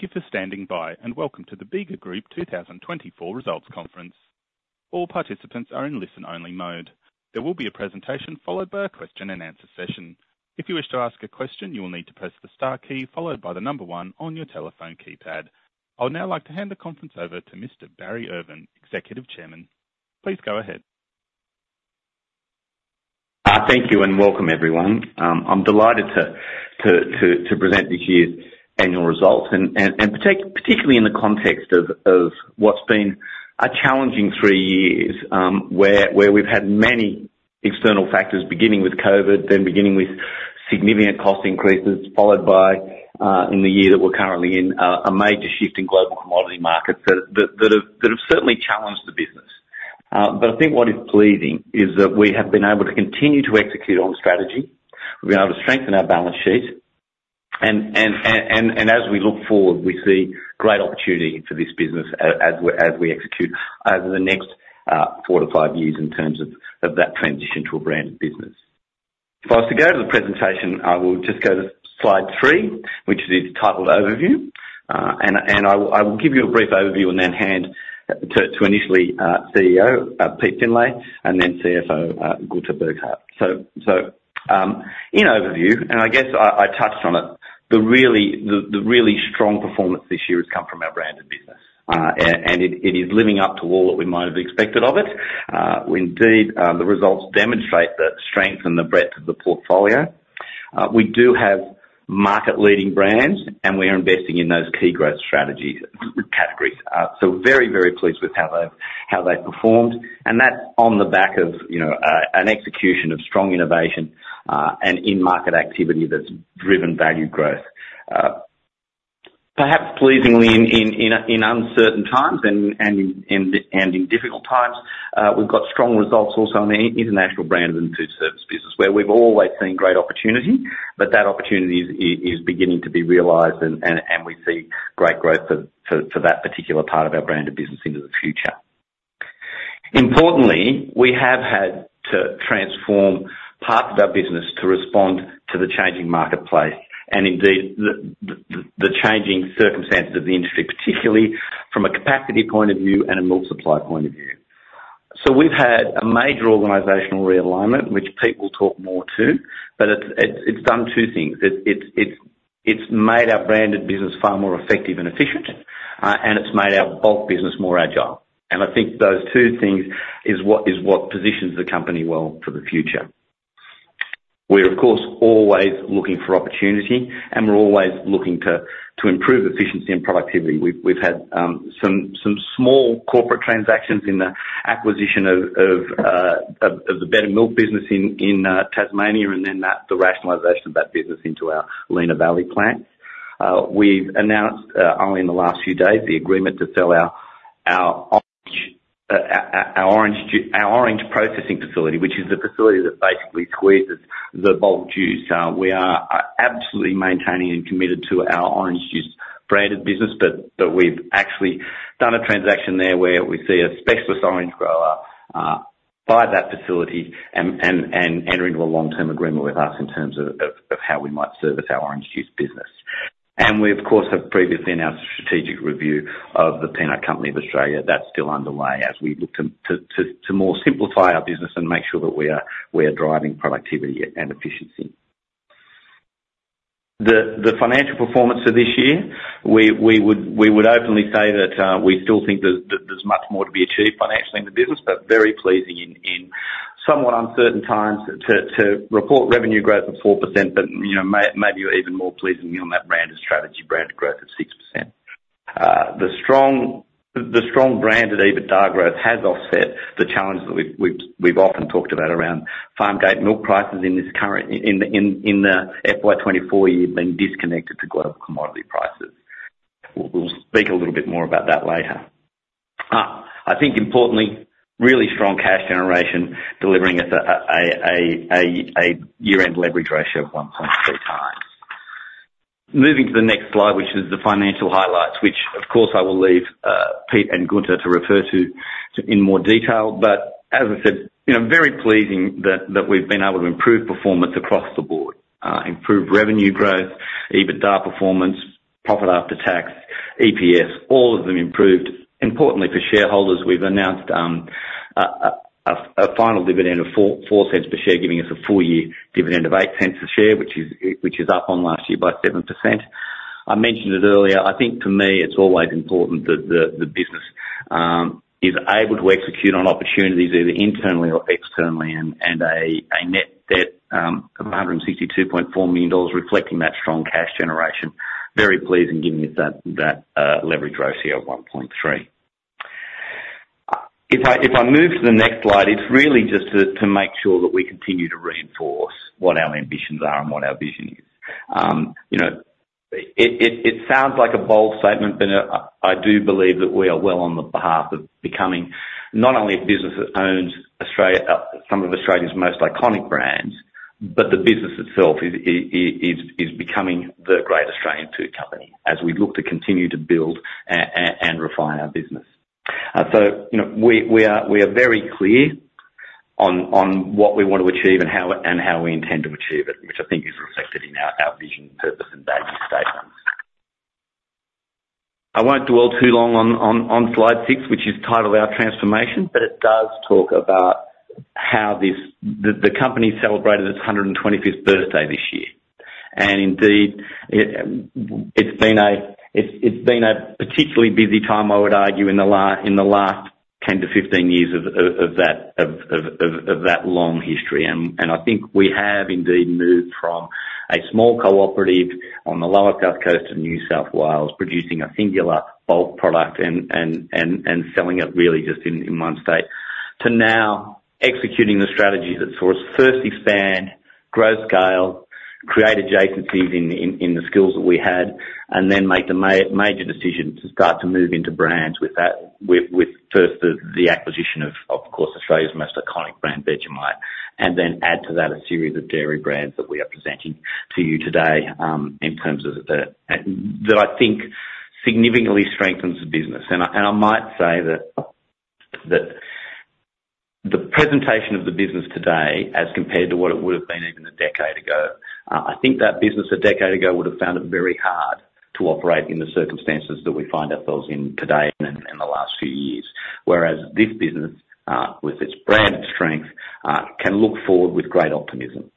Thank you for standing by, and welcome to the Bega Group 2024 Results Conference. All participants are in listen-only mode. There will be a presentation followed by a question and answer session. If you wish to ask a question, you will need to press the star key, followed by the number one on your telephone keypad. I would now like to hand the conference over to Barry Irvin, Executive Chairman. Please go ahead. Thank you, and welcome, everyone. I'm delighted to present this year's annual results, and particularly in the context of what's been a challenging three years, where we've had many external factors, beginning with COVID, then beginning with significant cost increases, followed by, in the year that we're currently in, a major shift in global commodity markets that have certainly challenged the business. But I think what is pleasing is that we have been able to continue to execute on strategy. We've been able to strengthen our balance sheet, and as we look forward, we see great opportunity for this business as we execute over the next four to five years in terms of that transition to a branded business. If I was to go to the presentation, I will just go to slide three, which is titled Overview and I will give you a brief overview and then hand to initially CEO Pete Findlay, and then CFO Gunther Burghardt. In overview, and I guess I touched on it, the really strong performance this year has come from our branded business, and it is living up to all that we might have expected of it. Indeed, the results demonstrate the strength and the breadth of the portfolio. We do have market-leading brands, and we are investing in those key growth strategies categories. So very, very pleased with how they've performed, and that's on the back of, you know, an execution of strong innovation and in-market activity that's driven value growth. Perhaps pleasingly in uncertain times and in difficult times, we've got strong results also on the international brand and food service business, where we've always seen great opportunity, but that opportunity is beginning to be realized, and we see great growth for that particular part of our branded business into the future. Importantly, we have had to transform parts of our business to respond to the changing marketplace and, indeed, the changing circumstances of the industry, particularly from a capacity point of view and a milk supply point of view. So we've had a major organizational realignment, which Pete will talk more to, but it's made our branded business far more effective and efficient, and it's made our bulk business more agile. And I think those two things is what positions the company well for the future. We're, of course, always looking for opportunity, and we're always looking to improve efficiency and productivity. We've had some small corporate transactions in the acquisition of the Betta Milk business in Tasmania, and then the rationalization of that business into our Lenah Valley plant. We've announced only in the last few days the agreement to sell our orange processing facility, which is the facility that basically squeezes the bulk juice. We are absolutely maintaining and committed to our orange juice branded business, but we've actually done a transaction there where we see a specialist orange grower buy that facility and enter into a long-term agreement with us in terms of how we might service our orange juice business. We, of course, have previously in our strategic review of the Peanut Company of Australia, that's still underway as we look to more simplify our business and make sure that we are driving productivity and efficiency. The financial performance for this year, we would openly say that we still think there's much more to be achieved financially in the business, but very pleasing in somewhat uncertain times to report revenue growth of 4%, but you know, maybe even more pleasing to me on that branded strategy, branded growth of 6%. The strong branded EBITDA growth has offset the challenges that we've often talked about around farmgate milk prices in this current FY 2024 year, being disconnected to global commodity prices. We'll speak a little bit more about that later. I think importantly, really strong cash generation, delivering us a year-end leverage ratio of 1.3 times. Moving to the next slide, which is the financial highlights, which, of course, I will leave Pete and Gunther to refer to in more detail. But as I said, you know, very pleasing that we've been able to improve performance across the board. Improve revenue growth, EBITDA performance, profit after tax, EPS, all of them improved. Importantly, for shareholders, we've announced a final dividend of 0.04 per share, giving us a full year dividend of 0.08 per share, which is up on last year by 7%. I mentioned it earlier, I think for me, it's always important that the business is able to execute on opportunities either internally or externally, and a net debt of 162.4 million dollars, reflecting that strong cash generation. Very pleasing, giving us that leverage ratio of 1.3. If I move to the next slide, it's really just to make sure that we continue to reinforce what our ambitions are and what our vision is. You know, it sounds like a bold statement, but I do believe that we are well on the path of becoming not only a business that owns, some of Australia's most iconic brands, but the business itself is becoming the great Australian food company, as we look to continue to build and refine our business. So, you know, we are very clear on what we want to achieve and how and how we intend to achieve it, which I think is reflected in our vision, purpose, and value statements. I won't dwell too long on slide six, which is titled Our Transformation, but it does talk about how the company celebrated its 125th birthday this year. And indeed, it's been a particularly busy time, I would argue, in the last 10 to 15 years of that long history. I think we have indeed moved from a small cooperative on the lower South Coast of New South Wales, producing a singular bulk product and selling it really just in one state, to now executing the strategies that saw us first expand, grow scale, create adjacencies in the skills that we had, and then make the major decision to start to move into brands with that, first the acquisition of, of course, Australia's most iconic brand, Vegemite, and then add to that a series of dairy brands that we are presenting to you today. That I think significantly strengthens the business. And I might say that the presentation of the business today, as compared to what it would've been even a decade ago, I think that business a decade ago would have found it very hard to operate in the circumstances that we find ourselves in today and in the last few years. Whereas this business, with its brand strength, can look forward with great optimism.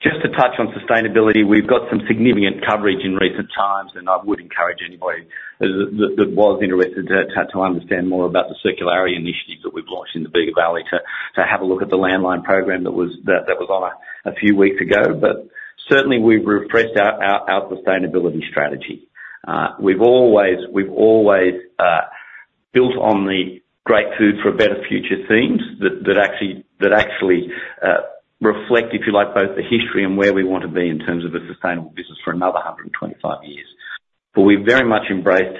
Just to touch on sustainability, we've got some significant coverage in recent times, and I would encourage anybody that was interested to understand more about the circularity initiatives that we've launched in the Bega Valley to have a look at the Landline program that was on a few weeks ago. But certainly we've refreshed our sustainability strategy. We've always built on the great food for better future themes that actually reflect, if you like, both the history and where we want to be in terms of a sustainable business for another 125 years, but we've very much embraced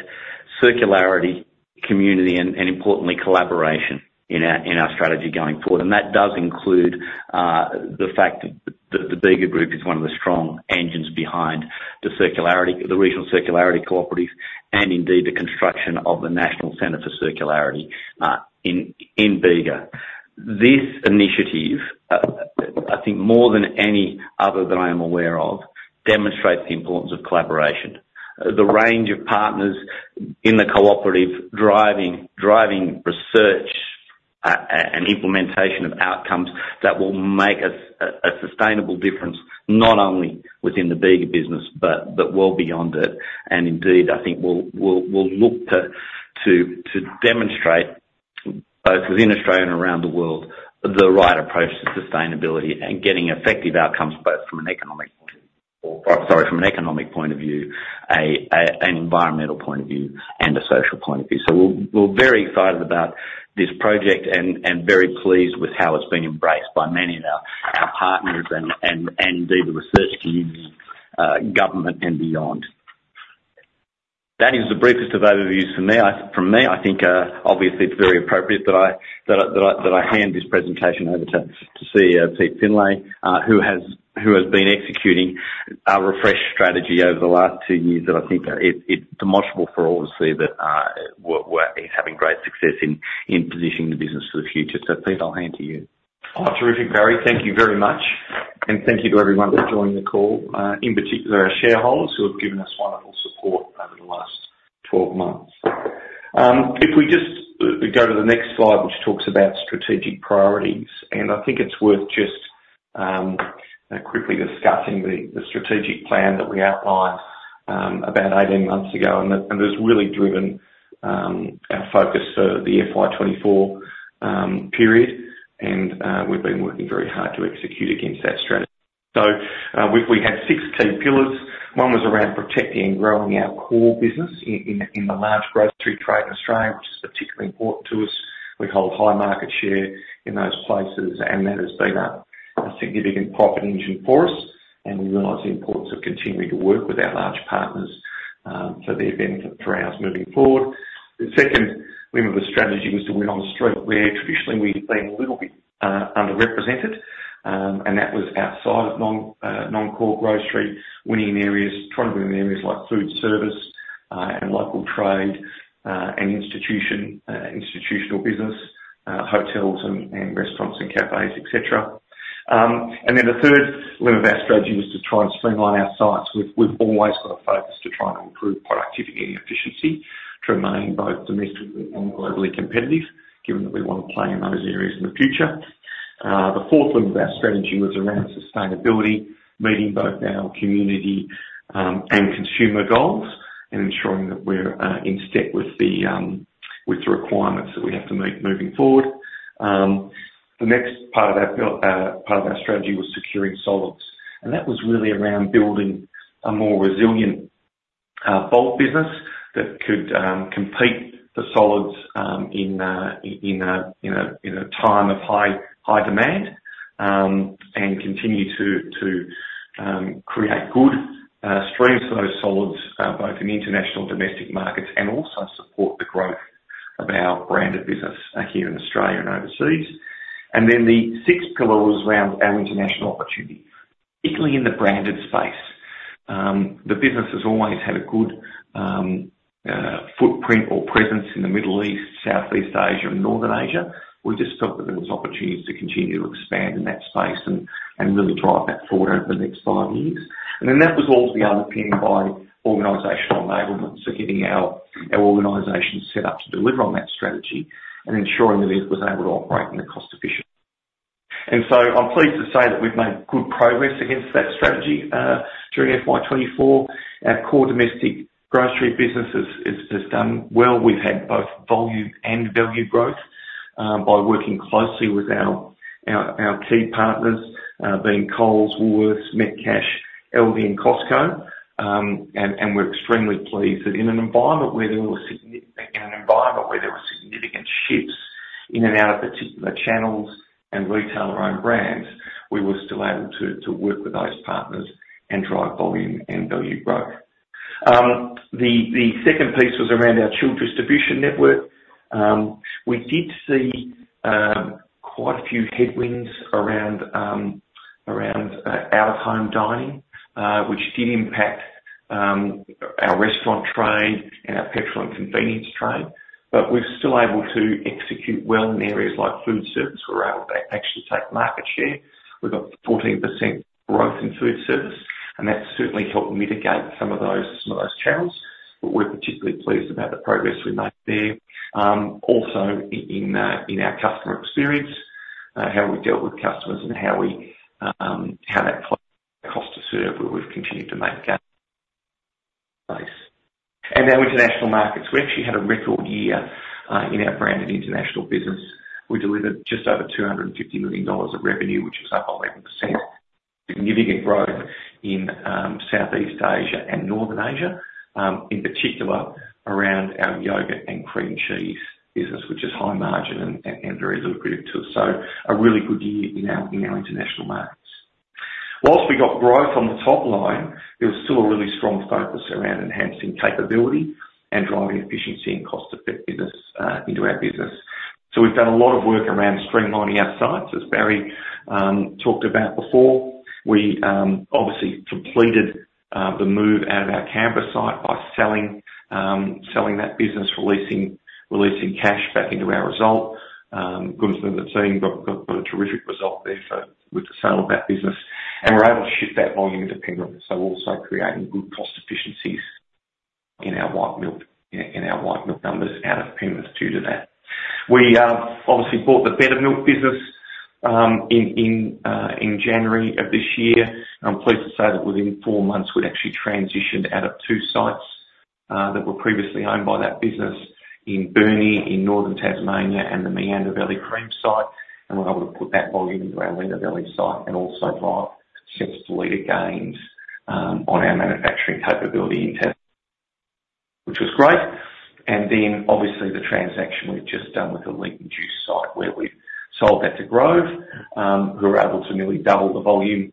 circularity, community, and importantly, collaboration in our strategy going forward. And that does include the fact that the Bega Group is one of the strong engines behind the circularity, the Regional Circularity Cooperatives, and indeed, the construction of the National Center for Circularity in Bega. This initiative, I think more than any other that I am aware of, demonstrates the importance of collaboration. The range of partners in the cooperative, driving research, and implementation of outcomes that will make a sustainable difference, not only within the Bega business, but well beyond it. And indeed, I think we'll look to demonstrate, both within Australia and around the world, the right approach to sustainability and getting effective outcomes, both from an economic point of view, an environmental point of view, and a social point of view. So we're very excited about this project and very pleased with how it's been embraced by many of our partners and indeed, the research community, government and beyond. That is the briefest of overviews from me. I think, obviously, it's very appropriate that I hand this presentation over to CEO Pete Findlay, who has been executing our refreshed strategy over the last two years. I think that it's demonstrable for all to see that we're having great success in positioning the business for the future. Pete, I'll hand to you. Oh, terrific, Barry. Thank you very much, and thank you to everyone who joined the call, in particular, our shareholders, who have given us wonderful support over the last 12 months. If we just go to the next slide, which talks about strategic priorities, and I think it's worth just quickly discussing the strategic plan that we outlined about 18 months ago, and that has really driven our focus for the FY24 period, and we've been working very hard to execute against that strategy. So, we had six key pillars. one was around protecting and growing our core business in the large grocery trade in Australia, which is particularly important to us. We hold high market share in those places, and that has been a significant profit engine for us, and we realize the importance of continuing to work with our large partners for the benefit for ours moving forward. The second limb of the strategy was to win on the street, where traditionally we've been a little bit underrepresented, and that was outside of non-core grocery, trying to win in areas like food service and local trade and institutional business, hotels and restaurants and cafes, etc, and then the third limb of our strategy was to try and streamline our sites. We've always got a focus to try and improve productivity and efficiency to remain both domestically and globally competitive, given that we want to play in those areas in the future. The fourth limb of our strategy was around sustainability, meeting both our community and consumer goals, and ensuring that we're in step with the requirements that we have to meet moving forward. The next part of our strategy was securing solids, and that was really around building a more resilient bulk business that could compete for solids in a time of high demand and continue to create good streams for those solids both in the international domestic markets and also support the growth of our branded business here in Australia and overseas, and then the sixth pillar was around our international opportunities, particularly in the branded space. The business has always had a good footprint or presence in the Middle East, Southeast Asia, and Northern Asia. We just felt that there was opportunities to continue to expand in that space and really drive that forward over the next five years. And then that was all underpinned by organizational enablement, so getting our organization set up to deliver on that strategy and ensuring that it was able to operate in a cost-efficient way. And so I'm pleased to say that we've made good progress against that strategy during FY24. Our core domestic grocery business has done well. We've had both volume and value growth by working closely with our key partners being Coles, Woolworths, Metcash, Aldi, and Costco. We're extremely pleased that in an environment where there were significant shifts in and out of particular channels and retailer-owned brands, we were still able to work with those partners and drive volume and value growth. The second piece was around our chilled distribution network. We did see quite a few headwinds around out-of-home dining, which did impact our restaurant trade and our petrol and convenience trade, but we're still able to execute well in areas like food service, where we're able to actually take market share. We've got 14% growth in food service, and that's certainly helped mitigate some of those channels, but we're particularly pleased about the progress we made there. Also in our customer experience, how we dealt with customers and how that cost to serve, where we've continued to make gains in place. Our international markets, we actually had a record year in our branded international business. We delivered just over 250 million dollars of revenue, which is up 11%. Significant growth in Southeast Asia and Northern Asia, in particular, around our yogurt and cream cheese business, which is high margin and very lucrative to us, so a really good year in our international markets. While we got growth on the top line, there was still a really strong focus around enhancing capability and driving efficiency and cost effectiveness into our business. So we've done a lot of work around streamlining our sites, as Barry talked about before. We obviously completed the move out of our Canberra site by selling that business, releasing cash back into our result. Good news on that scene, got a terrific result there for with the sale of that business, and we're able to shift that volume into Penrith, so also creating good cost efficiencies in our white milk numbers out of Penrith due to that. We obviously bought the Betta Milk business in January of this year. I'm pleased to say that within four months, we'd actually transitioned out of two sites that were previously owned by that business in Burnie in Northern Tasmania, and the Meander Valley Cream site, and we're able to put that volume into our Lenah Valley site and also drive six liter gains on our manufacturing capability in Tasmania, which was great. Then, obviously, the transaction we've just done with the Leeton Juice site, where we've sold that to Grove, who are able to nearly double the volume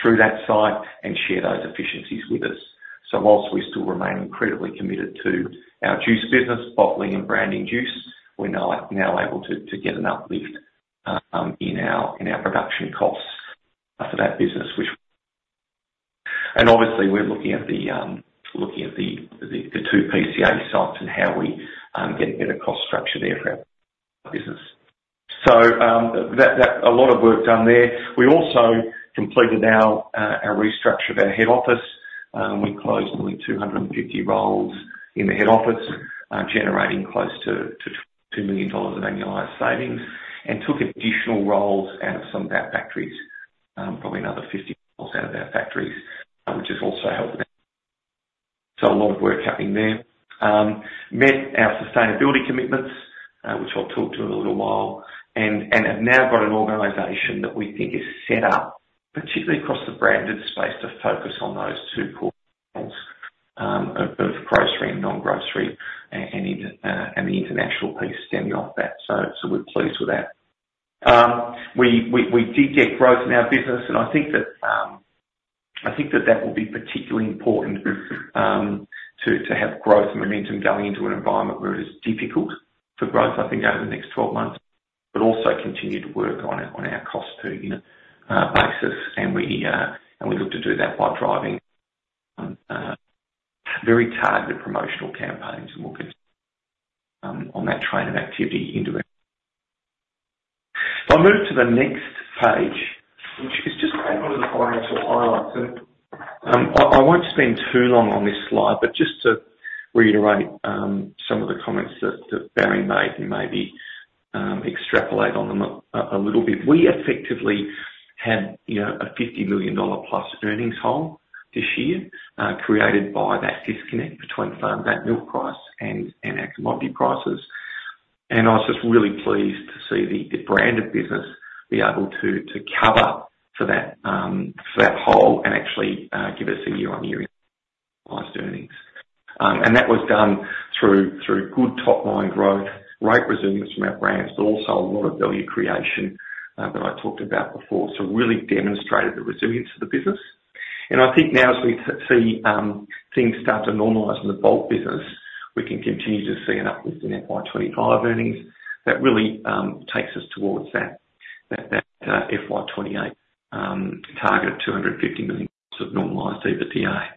through that site and share those efficiencies with us. So whilst we still remain incredibly committed to our juice business, bottling and branding juice, we're now able to get an uplift in our production costs for that business. Obviously, we're looking at the two PCA sites and how we get a better cost structure there for our business. So, that a lot of work done there. We also completed our restructure of our head office. We closed nearly 250 roles in the head office, generating close to 2 million dollars of annualized savings, and took additional roles out of some of our factories, probably another 50 roles out of our factories, which has also helped. So a lot of work happening there. Met our sustainability commitments, which I'll talk to in a little while, and have now got an organization that we think is set up, particularly across the branded space, to focus on those two core of grocery and non-grocery, and in the international piece stemming off that. So, we're pleased with that. We did get growth in our business, and I think that that will be particularly important to have growth and momentum going into an environment where it is difficult for growth, I think, over the next 12 months, but also continue to work on our cost basis, and we look to do that while driving very targeted promotional campaigns, and we'll continue on that train of activity into it. I'll move to the next page, which is just a couple of the financial highlights. And, I won't spend too long on this slide, but just to reiterate, some of the comments that Barry made and maybe, extrapolate on them a little bit. We effectively had, you know, an 50 million dollar-plus earnings hole this year, created by that disconnect between farmgate milk price and our commodity prices. And I was just really pleased to see the branded business be able to cover for that hole, and actually, give us a year-on-year highest earnings. And that was done through good top-line growth, great resilience from our brands, but also a lot of value creation that I talked about before. So really demonstrated the resilience of the business. I think now as we see things start to normalize in the bulk business, we can continue to see an uplift in FY 2025 earnings. That really takes us towards that FY 2028 target of 250 million of normalized EBITDA.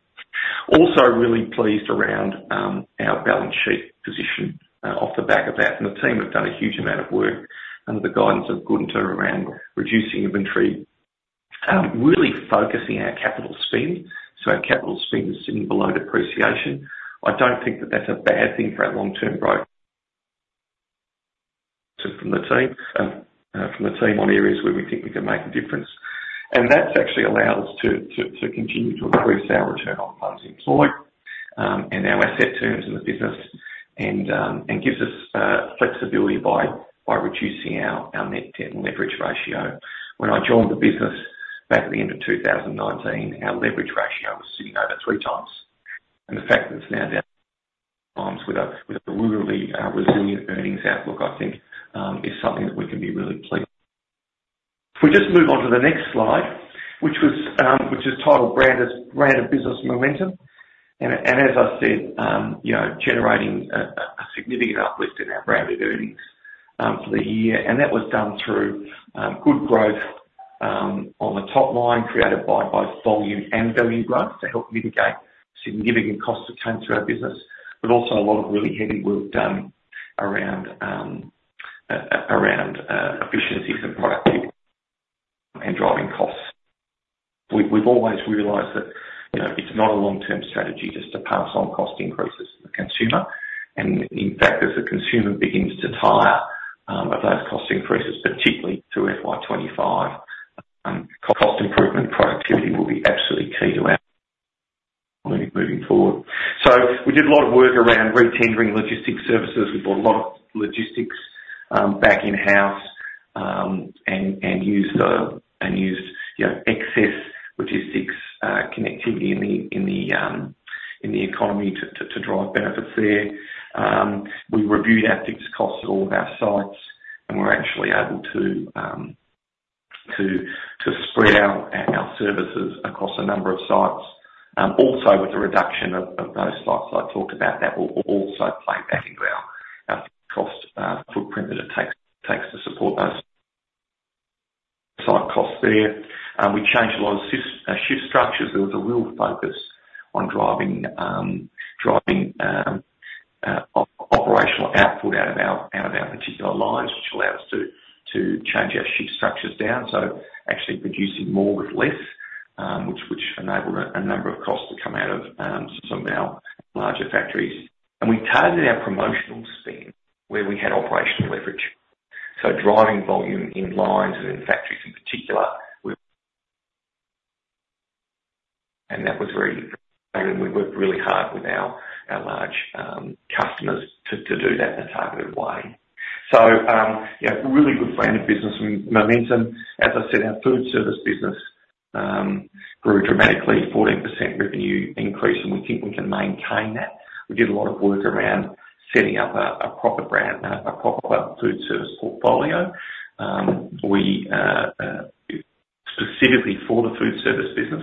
Also really pleased around our balance sheet position off the back of that, and the team have done a huge amount of work under the guidance of Gunther around reducing inventory, really focusing our capital spend. So our capital spend is sitting below depreciation. I don't think that's a bad thing for our long-term growth from the team on areas where we think we can make a difference. And that's actually allowed us to continue to increase our return on funds employed, and our asset terms in the business, and gives us flexibility by reducing our net debt and leverage ratio. When I joined the business back at the end of 2019, our leverage ratio was sitting over three times, and the fact that it's now down times with a really resilient earnings outlook, I think, is something that we can be really pleased. We just move on to the next slide, which is titled Branded Business Momentum. And as I said, you know, generating a significant uplift in our branded earnings for the year. That was done through good growth on the top line, created by volume and value growth to help mitigate significant cost that came through our business, but also a lot of really heavy work done around efficiency and productivity and driving costs. We've always realized that, you know, it's not a long-term strategy just to pass on cost increases to the consumer, and in fact, as the consumer begins to tire of those cost increases, particularly through FY25, cost improvement and productivity will be absolutely key to our moving forward. We did a lot of work around retendering logistics services. We brought a lot of logistics back in-house and used, you know, excess logistics connectivity in the economy to drive benefits there. We reviewed our fixed costs at all of our sites, and we're actually able to spread our services across a number of sites. Also, with the reduction of those sites I talked about, that will also play back into our cost footprint that it takes to support those site costs there. We changed a lot of shift structures. There was a real focus on driving operational output out of our particular lines, which allowed us to change our shift structures down, so actually producing more with less, which enabled a number of costs to come out of some of our larger factories. And we targeted our promotional spend where we had operational leverage, so driving volume in lines and in factories in particular, where... And that was very, and we worked really hard with our large customers to do that in a targeted way. So, yeah, really good brand of business and momentum. As I said, our food service business grew dramatically, 14% revenue increase, and we think we can maintain that. We did a lot of work around setting up a proper food service portfolio. Specifically for the food service business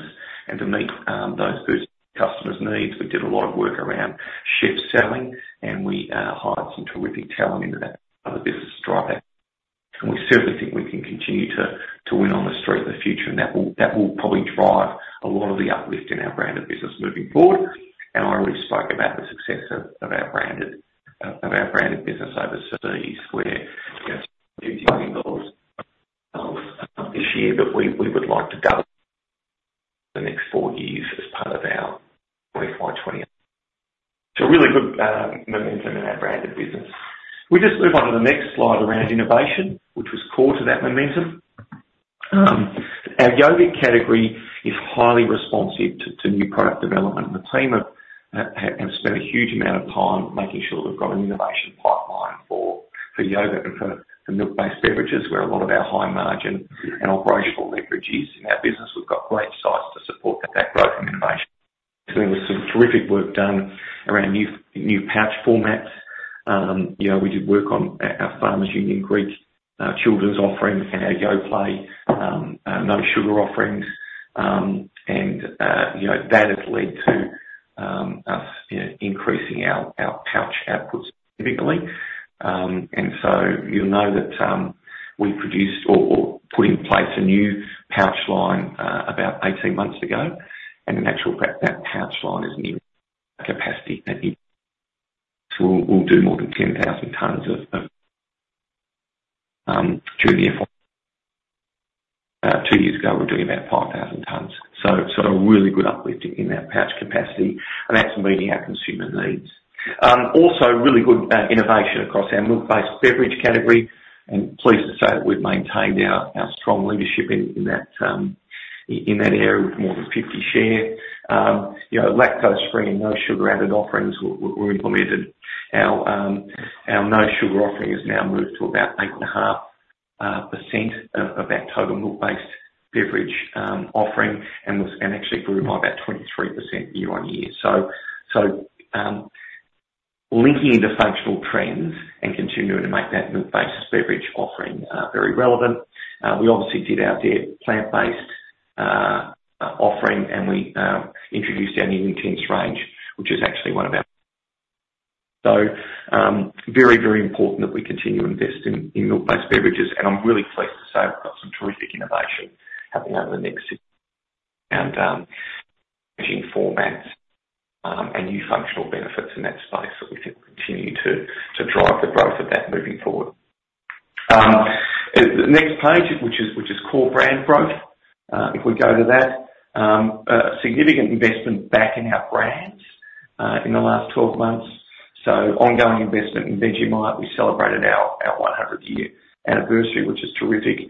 and to meet those food customers' needs, we did a lot of work around chef selling, and we hired some terrific talent into that business to drive that. We certainly think we can continue to win on the street in the future, and that will probably drive a lot of the uplift in our brand of business moving forward. I already spoke about the success of our branded business overseas, where you know this year that we would like to double the next four years as part of our FY 2020. So really good momentum in our branded business. We just move on to the next slide around innovation, which was core to that momentum. Our yogurt category is highly responsive to new product development. The team have spent a huge amount of time making sure we've got an innovation pipeline for yogurt and for the milk-based beverages, where a lot of our high margin and operational leverages. In our business, we've got great size to support that, that growth and innovation. So there was some terrific work done around new pouch formats. You know, we did work on our Farmers Union Greek children's offering and our Yoplait no sugar offerings. And you know, that has led to us you know increasing our pouch outputs significantly. And so you'll know that we produced or put in place a new pouch line about 18 months ago, and in actual fact, that pouch line is near capacity, and so we'll do more than 10,000 tons. Two years ago, we were doing about 5,000 tons. So a really good uplift in that pouch capacity, and that's meeting our consumer needs. Also really good innovation across our milk-based beverage category, and pleased to say that we've maintained our strong leadership in that area, with more than 50% share. You know, lactose-free and no sugar-added offerings were implemented. Our no sugar offering has now moved to about 8.5% of our total milk-based beverage offering and actually grew by about 23% year-on-year. Linking into functional trends and continuing to make that milk-based beverage offering very relevant. We obviously did our Darë plant-based offering, and we introduced our new intense range, which is actually one of our. So, very, very important that we continue to invest in milk-based beverages, and I'm really pleased to say we've got some terrific innovation happening over the next, and formats, and new functional benefits in that space that we can continue to drive the growth of that moving forward. The next page, which is core brand growth. If we go to that, a significant investment back in our brands in the last 12 months, so ongoing investment in Vegemite. We celebrated our 100-year anniversary, which is terrific.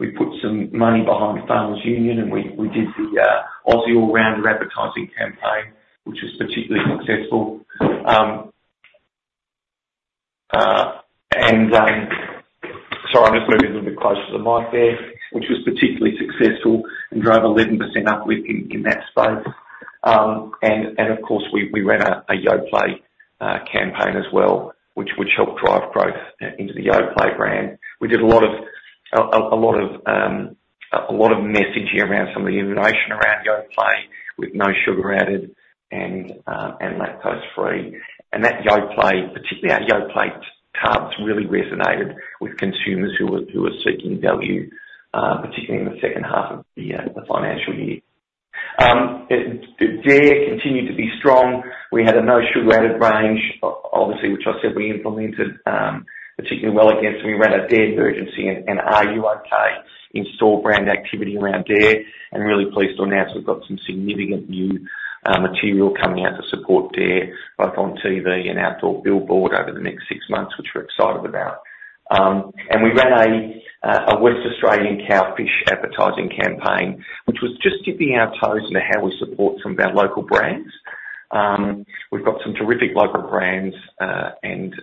We put some money behind Farmers Union, and we did the Aussie All-Rounder advertising campaign, which was particularly successful. and I'm just moving a little bit closer to the mic there, which was particularly successful and drove 11% uplift in that space. And of course, we ran a Yoplait campaign as well, which helped drive growth into the Yoplait brand. We did a lot of messaging around some of the innovation around Yoplait, with no sugar added and lactose free. And that Yoplait, particularly our Yoplait tubs, really resonated with consumers who were seeking value, particularly in the H2 of the financial year. Dare continued to be strong. We had a no sugar added range, obviously, which I said we implemented particularly well against. We ran a Daremergency, and, "Are you okay?" In-store brand activity around Dare, and really pleased to announce we've got some significant new material coming out to support Dare, both on TV and outdoor billboard over the next six months, which we're excited about. And we ran a Western Australian Masters Iced Coffee advertising campaign, which was just dipping our toes into how we support some of our local brands. We've got some terrific local brands, and,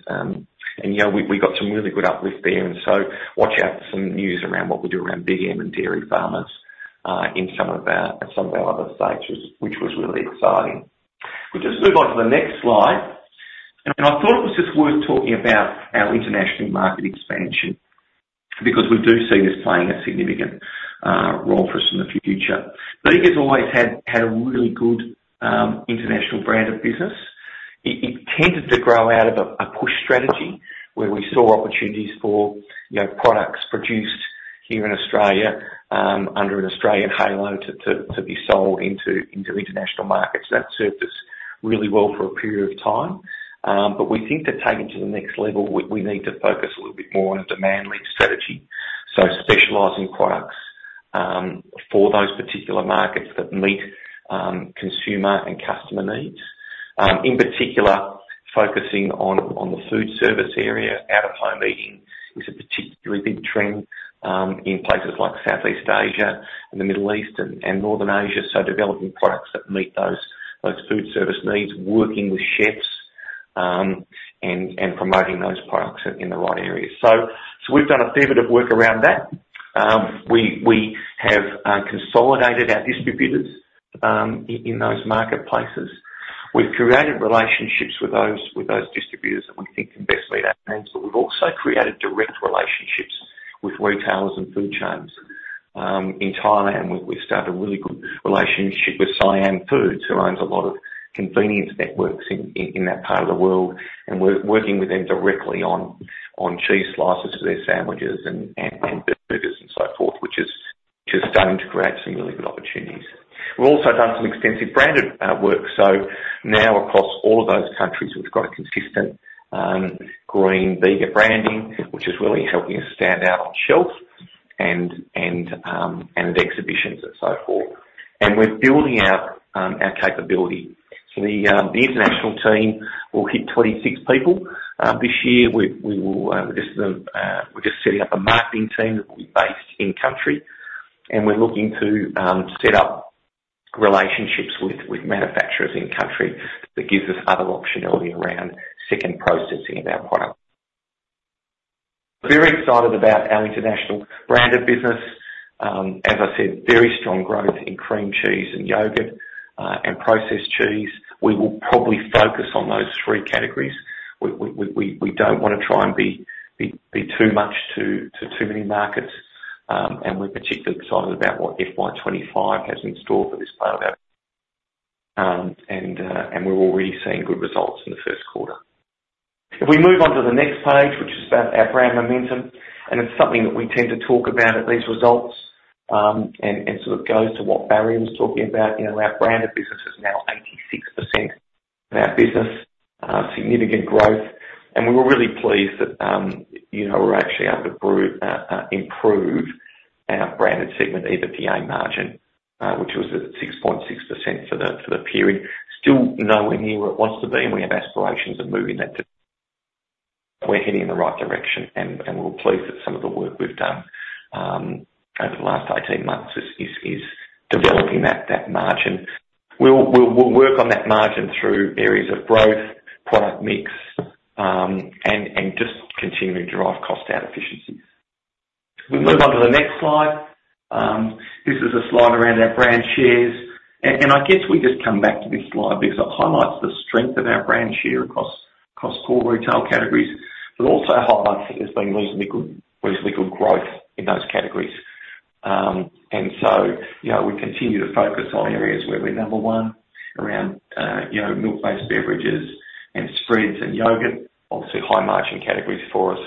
you know, we've got some really good uplift there, and so watch out for some news around what we do around Big M and Dairy Farmers in some of our other stages, which was really exciting. We'll just move on to the next slide, and I thought it was just worth talking about our international market expansion, because we do see this playing a significant role for us in the future. Bega's always had a really good international brand of business. It tended to grow out of a push strategy, where we saw opportunities for, you know, products produced here in Australia under an Australian halo to be sold into international markets. That served us really well for a period of time, but we think to take it to the next level, we need to focus a little bit more on a demand-led strategy. So specializing products for those particular markets that meet consumer and customer needs. In particular, focusing on the food service area. Out-of-home eating is a particularly big trend in places like Southeast Asia, Middle East, and Northern Asia. Developing products that meet those food service needs, working with chefs, and promoting those products in the right areas. We've done a fair bit of work around that. We have consolidated our distributors in those marketplaces. We've created relationships with those distributors that we think can best meet our needs, but we've also created direct relationships with retailers and food chains. In Thailand, we've started a really good relationship with Siam Foods, who owns a lot of convenience networks in that part of the world, and we're working with them directly on cheese slices for their sandwiches and burgers and so forth, which is just starting to create some really good opportunities. We've also done some extensive branded work, so now across all of those countries, we've got a consistent green Bega branding, which is really helping us stand out on shelf and exhibitions and so forth. And we're building out our capability. So the international team will hit 26 people. This year, we will just set up a marketing team that will be based in country, and we're looking to set up relationships with manufacturers in country. That gives us other optionality around second processing of our product. Very excited about our international brand of business. As I said, very strong growth in cream cheese and yogurt, and processed cheese. We will probably focus on those three categories. We don't wanna try and be too much to too many markets, and we're particularly excited about what FY 2025 has in store for this part and we're already seeing good results in the Q1. If we move on to the next page, which is about our brand momentum, and it's something that we tend to talk about at these results, and sort of goes to what Barry was talking about. You know, our brand of business is now 86% of our business, significant growth, and we were really pleased that, you know, we're actually able to improve our branded segment, EBITDA margin, which was at 6.6% for the period. Still nowhere near where it wants to be, and we have aspirations of moving that. We're heading in the right direction, and we're pleased that some of the work we've done over the last 18 months is developing that margin. We'll work on that margin through areas of growth, product mix, and just continuing to drive cost out efficiency. We move on to the next slide. This is a slide around our brand shares, and I guess we just come back to this slide because it highlights the strength of our brand share across core retail categories, but also highlights there's been reasonable growth in those categories, and so, you know, we continue to focus on areas where we're number one, around you know, milk-based beverages and spreads and yogurt, obviously high-margin categories for us,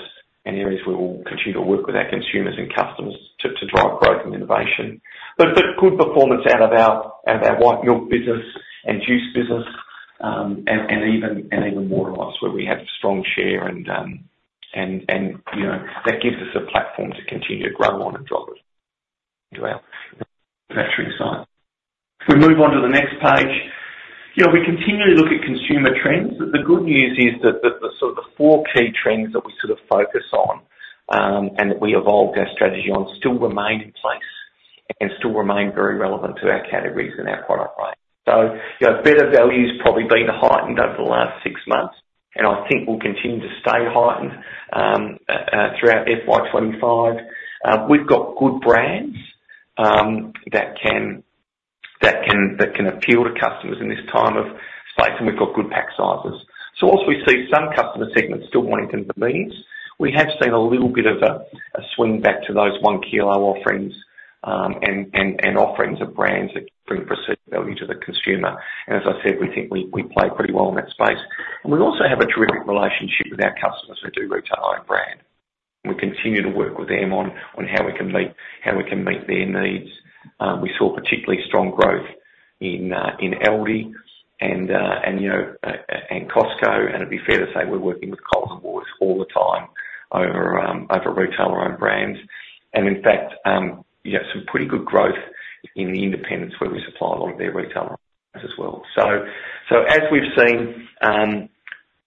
and areas where we'll continue to work with our consumers and customers to drive growth and innovation. But good performance out of our white milk business and juice business, and even water ice, where we have strong share, and, you know, that gives us a platform to continue to grow on and drive it to our manufacturing site. If we move on to the next page, you know, we continually look at consumer trends, but the good news is that the four key trends that we sort of focus on, and that we evolved our strategy on, still remain in place and still remain very relevant to our categories and our product range. So, you know, better value's probably been heightened over the last six months, and I think will continue to stay heightened throughout FY 2025. We've got good brands that can appeal to customers in this time of space, and we've got good pack sizes. So also, we see some customer segments still wanting convenience. We have seen a little bit of a swing back to those one-kilo offerings, and offerings of brands that bring perceived value to the consumer. And as I said, we think we play pretty well in that space. And we also have a terrific relationship with our customers who do retail our own brand. We continue to work with them on how we can meet their needs. We saw particularly strong growth in Aldi and, you know, and Costco, and it'd be fair to say we're working with Coles and Woolworths all the time over retailer-owned brands. And in fact, yeah, some pretty good growth in the independents, where we supply a lot of their retailer as well. So as we've seen,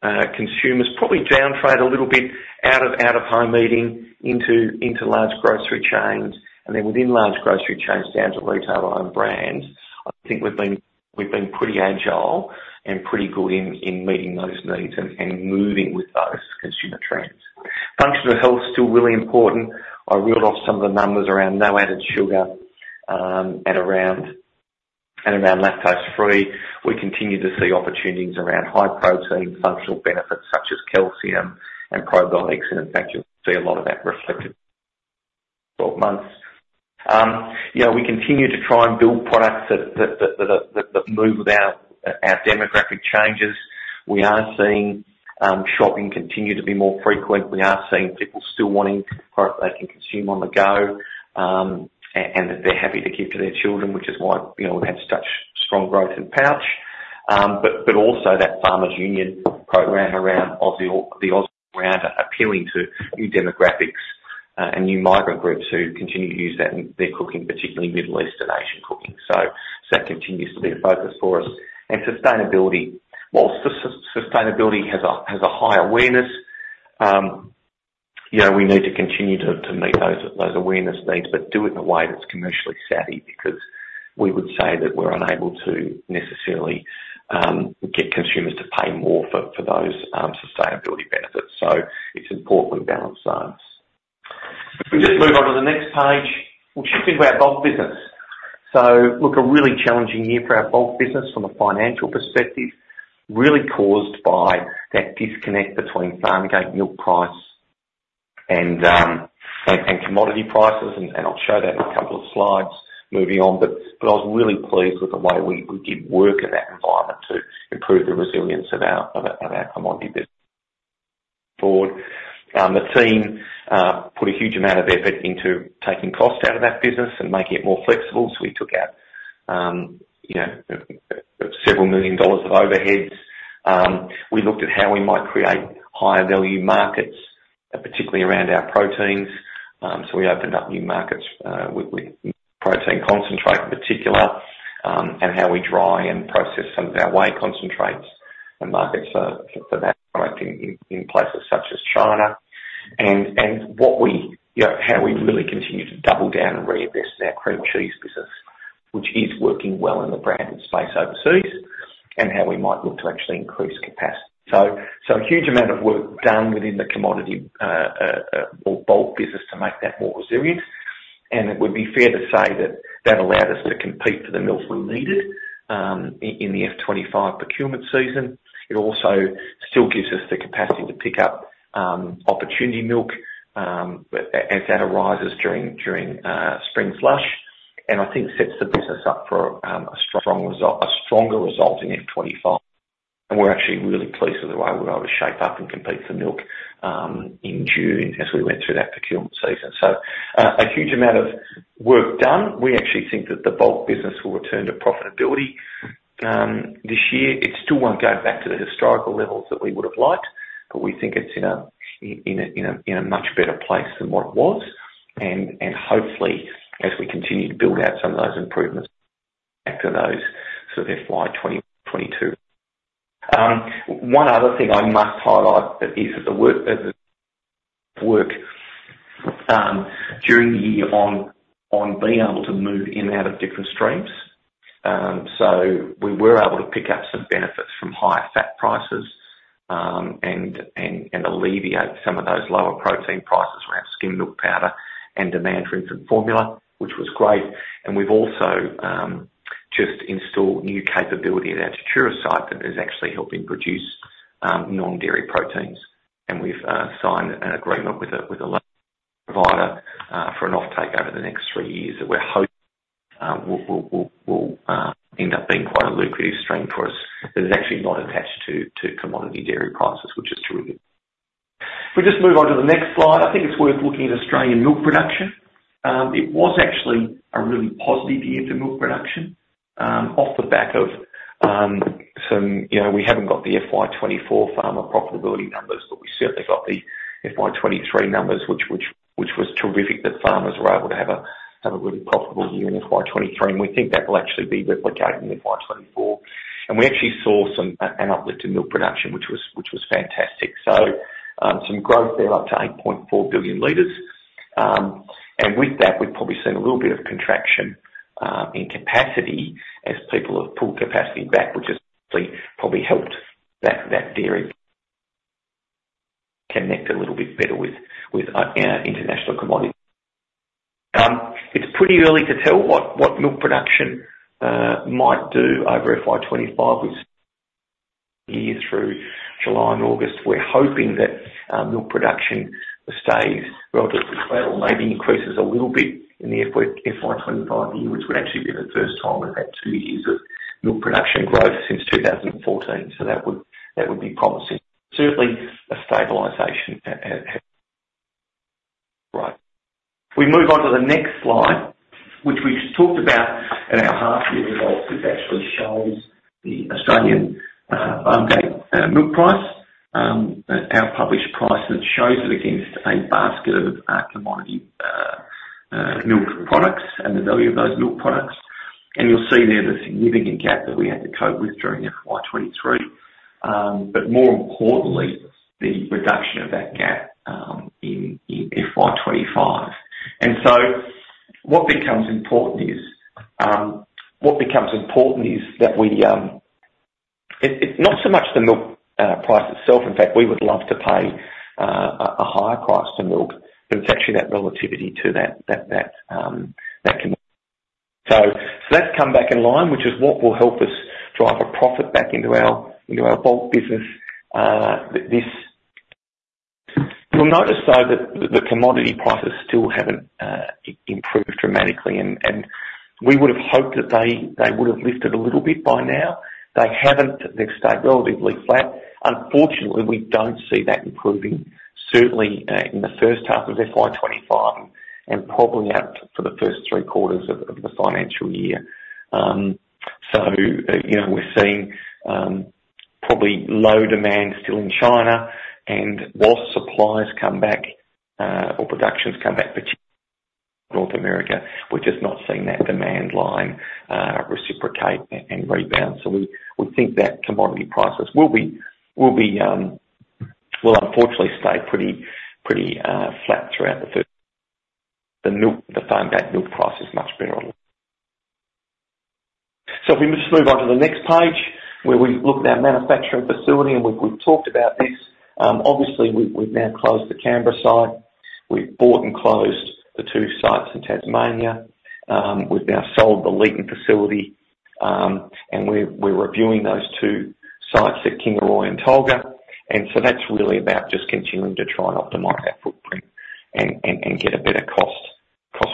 consumers probably downtrade a little bit out of home eating into large grocery chains, and then within large grocery chains, down to retailer-owned brands. I think we've been pretty agile and pretty good in meeting those needs and moving with those consumer trends. Functional health is still really important. I read off some of the numbers around no added sugar at around, and around lactose-free. We continue to see opportunities around high protein functional benefits such as calcium and probiotics, and in fact, you'll see a lot of that reflected in 12 months. You know, we continue to try and build products that move with our demographic changes. We are seeing shopping continue to be more frequent. We are seeing people still wanting product they can consume on the go, and that they're happy to give to their children, which is why, you know, we've had such strong growth in pouch. But also that Farmers Union program around the Aussie brand, appealing to new demographics, and new migrant groups who continue to use that in their cooking, particularly Middle Eastern Asian cooking. So that continues to be a focus for us and sustainability. While sustainability has a high awareness, you know, we need to continue to meet those awareness needs, but do it in a way that's commercially savvy, because we would say that we're unable to necessarily get consumers to pay more for those sustainability benefits. So it's important we balance those. If we just move on to the next page, which is about bulk business. So look, a really challenging year for our bulk business from a financial perspective, really caused by that disconnect between farm-gate milk price and commodity prices, and I'll show that in a couple of slides moving on, but I was really pleased with the way we did work in that environment to improve the resilience of our commodity business forward. The team put a huge amount of effort into taking cost out of that business and making it more flexible, so we took out, you know, several million dollars of overheads. We looked at how we might create higher value markets, particularly around our proteins. So we opened up new markets, with protein concentrate in particular, and how we dry and process some of our whey concentrates and markets for that product in places such as China, and you know, how we really continue to double down and reinvest in our cream cheese business, which is working well in the branded space overseas, and how we might look to actually increase capacity. So a huge amount of work done within the commodity or bulk business to make that more resilient. It would be fair to say that that allowed us to compete for the milk we needed in the FY25 procurement season. It also still gives us the capacity to pick up opportunity milk as that arises during spring flush, and I think sets the business up for a stronger result in FY25. We're actually really pleased with the way we were able to shape up and compete for milk in June as we went through that procurement season. A huge amount of work done. We actually think that the bulk business will return to profitability this year. It still won't go back to the historical levels that we would have liked, but we think it's in a much better place than what it was. And hopefully, as we continue to build out some of those improvements after those, so FY 2022. One other thing I must highlight is that the work during the year on being able to move in and out of different streams. So we were able to pick up some benefits from higher fat prices, and alleviate some of those lower protein prices around skim milk powder and demand for infant formula, which was great. And we've also just installed new capability at our Tatura site that is actually helping produce non-dairy proteins. And we've signed an agreement with a local provider for an offtake over the next three years, that we're hoping will end up being quite a lucrative stream for us, that is actually not attached to commodity dairy prices, which is terrific. We just move on to the next slide, I think it's worth looking at Australian milk production. It was actually a really positive year for milk production off the back of. You know, we haven't got the FY 2024 farmer profitability numbers, but we've certainly got the FY 2023 numbers, which was terrific, that farmers were able to have a really profitable year in FY 2023, and we think that will actually be replicated in FY 2024. And we actually saw some an uplift in milk production, which was fantastic. So, some growth there, up to 8.4 billion liters. And with that, we've probably seen a little bit of contraction in capacity as people have pulled capacity back, which has probably helped that dairy connect a little bit better with our international commodity. It's pretty early to tell what milk production might do over FY25, which years through July and August. We're hoping that milk production stays relatively well, maybe increases a little bit in the FY25 year, which would actually be the first time we've had two years of milk production growth since 2014, so that would be promising, certainly a stabilization. If we move on to the next slide, which we've talked about in our half year results, this actually shows the Australian Farmgate milk price. Our published price, and it shows it against a basket of commodity milk products and the value of those milk products, and you'll see there the significant gap that we had to cope with during FY 2023, but more importantly, the reduction of that gap in FY 2025, and so what becomes important is that it's not so much the milk price itself. In fact, we would love to pay a higher price to milk, but it's actually that relativity to that. So that's come back in line, which is what will help us drive a profit back into our bulk business. This you'll notice, though, that the commodity prices still haven't improved dramatically, and we would've hoped that they would've lifted a little bit by now. They haven't. They've stayed relatively flat. Unfortunately, we don't see that improving, certainly in the H1 of FY 2025, and probably out for the first three quarters of the financial year. So you know, we're seeing probably low demand still in China, and whilst suppliers come back or productions come back, particularly North America, we're just not seeing that demand line reciprocate and rebound. So we think that commodity prices will unfortunately stay pretty flat throughout. The Farmgate milk price is much better. So if we just move on to the next page, where we look at our manufacturing facility, and we've talked about this. Obviously, we've now closed the Canberra site. We've bought and closed the two sites in Tasmania. We've now sold the Leeton facility, and we're reviewing those two sites at Kingaroy and Tolga. And so that's really about just continuing to try and optimize our footprint and get a better cost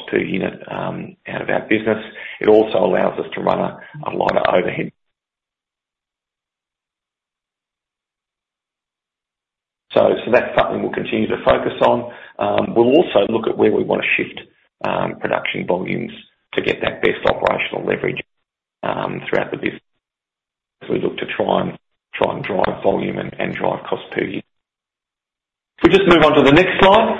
per unit out of our business. It also allows us to run a lighter overhead. So that's something we'll continue to focus on. We'll also look at where we want to shift production volumes to get that best operational leverage throughout the business. As we look to try and drive volume and drive cost per unit. We just move on to the next slide,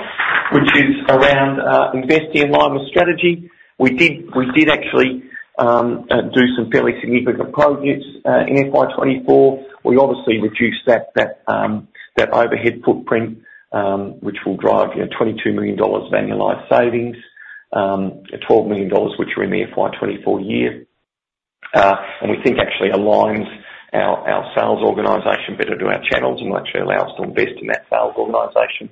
which is around investing in line with strategy. We did actually do some fairly significant projects in FY 2024. We obviously reduced that overhead footprint, which will drive, you know, 22 million dollars annualized savings, 12 million dollars, which are in the FY 2024 year, and we think actually aligns our sales organization better to our channels and actually allow us to invest in that sales organization.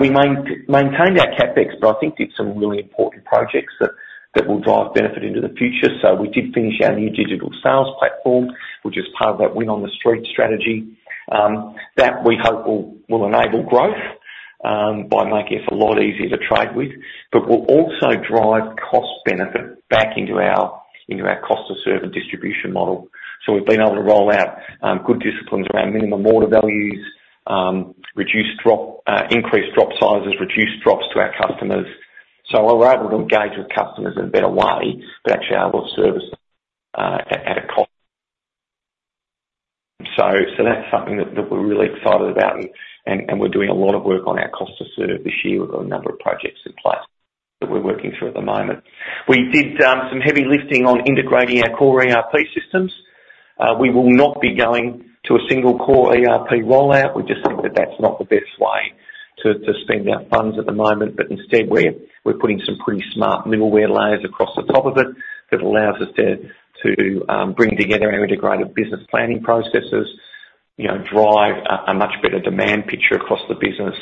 We maintained our CapEx, but I think did some really important projects that will drive benefit into the future. So we did finish our new digital sales platform, which is part of that win on the street strategy. That we hope will enable growth by making us a lot easier to trade with, but will also drive cost benefit back into our cost to serve and distribution model. So we've been able to roll out good disciplines around minimum order values, reduce drop, increase drop sizes, reduce drops to our customers. So while we're able to engage with customers in a better way, but actually are able to service at a cost. So that's something that we're really excited about, and we're doing a lot of work on our cost to serve this year. We've got a number of projects in place that we're working through at the moment. We did some heavy lifting on integrating our core ERP systems. We will not be going to a single-core ERP rollout. We just think that that's not the best way to spend our funds at the moment, but instead, we're putting some pretty smart middleware layers across the top of it that allows us to bring together our integrated business planning processes, you know, drive a much better demand picture across the business,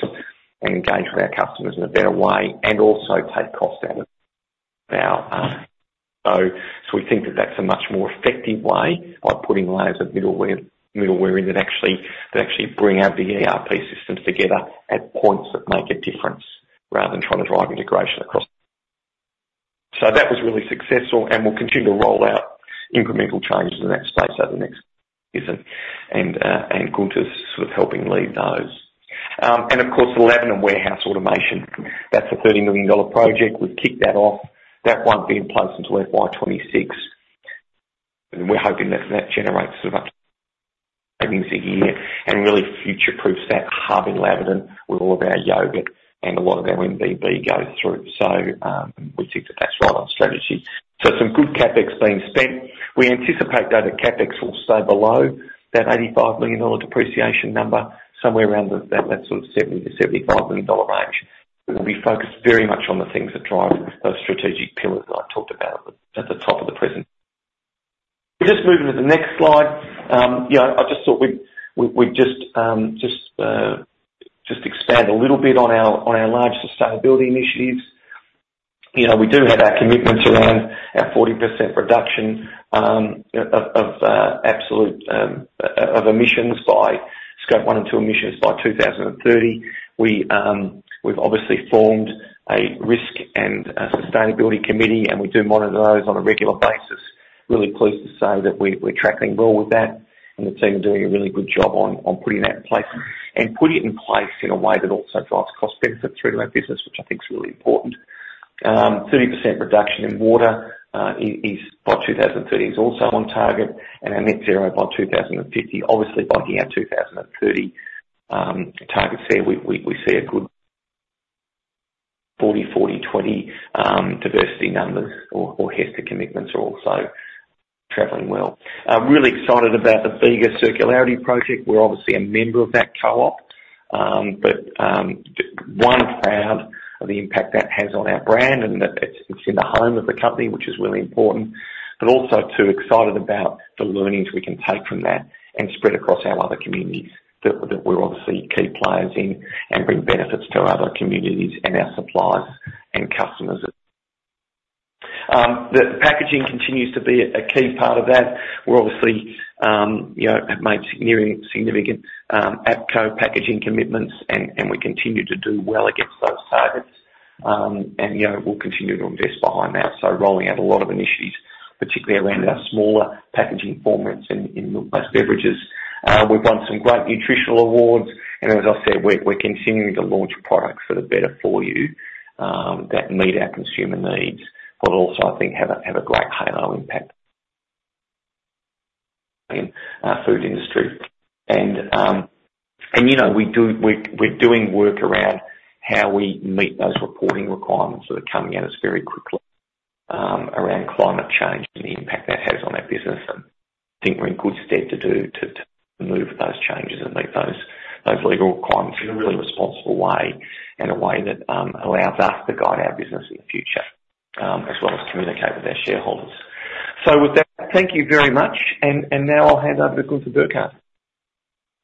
and engage with our customers in a better way, and also take costs out of our, so we think that that's a much more effective way by putting layers of middleware in that actually bring our ERP systems together at points that make a difference, rather than trying to drive integration across. So that was really successful and we'll continue to roll out incremental changes in that space over the next years, and Gunther's sort of helping lead those. And of course, Laverton and warehouse automation, that's a 30 million dollar project. We've kicked that off. That won't be in place until FY 2026, and we're hoping that that generates sort of up savings a year, and really future-proofs that hub in Laverton with all of our yogurt and a lot of our NBB go through. So, we think that that's the right strategy. So some good CapEx being spent. We anticipate that the CapEx will stay below that 85 million dollar depreciation number, somewhere around that sort of 70 to 75 million dollar range. We'll be focused very much on the things that drive those strategic pillars that I talked about at the top of the presentation. Just moving to the next slide. You know, I just thought we'd just expand a little bit on our large sustainability initiatives. You know, we do have our commitments around our 40% reduction of absolute Scope 1 and 2 emissions by 2030. We've obviously formed a risk and a sustainability committee, and we do monitor those on a regular basis. Really pleased to say that we're tracking well with that, and the team are doing a really good job on putting that in place in a way that also drives cost benefits through to our business, which I think is really important. 30% reduction in water by 2030 is also on target, and our net zero by 2050. Obviously, by hitting our 2030 targets there, we see a good 40/40/20 diversity numbers or HESTA commitments are also traveling well. I'm really excited about the Bega Circularity Project. We're obviously a member of that co-op, but one, proud of the impact that has on our brand and that it's in the home of the company, which is really important. But also, two, excited about the learnings we can take from that and spread across our other communities that we're obviously key players in, and bring benefits to our other communities, and our suppliers, and customers. The packaging continues to be a key part of that. We're obviously, you know, have made significant APCO packaging commitments, and we continue to do well against those targets, and you know, we'll continue to invest behind that, so rolling out a lot of initiatives, particularly around our smaller packaging formats in milk-based beverages. We've won some great nutritional awards, and as I said, we're continuing to launch products that are better for you, that meet our consumer needs, but also, I think, have a great halo impact in our food industry, and you know, we're doing work around how we meet those reporting requirements that are coming at us very quickly, around climate change and the impact that has on our business. And I think we're in good stead to do to move those changes and meet those legal requirements in a really responsible way and a way that allows us to guide our business in the future as well as communicate with our shareholders. So with that, thank you very much. And now I'll hand over to Gunther Burghardt.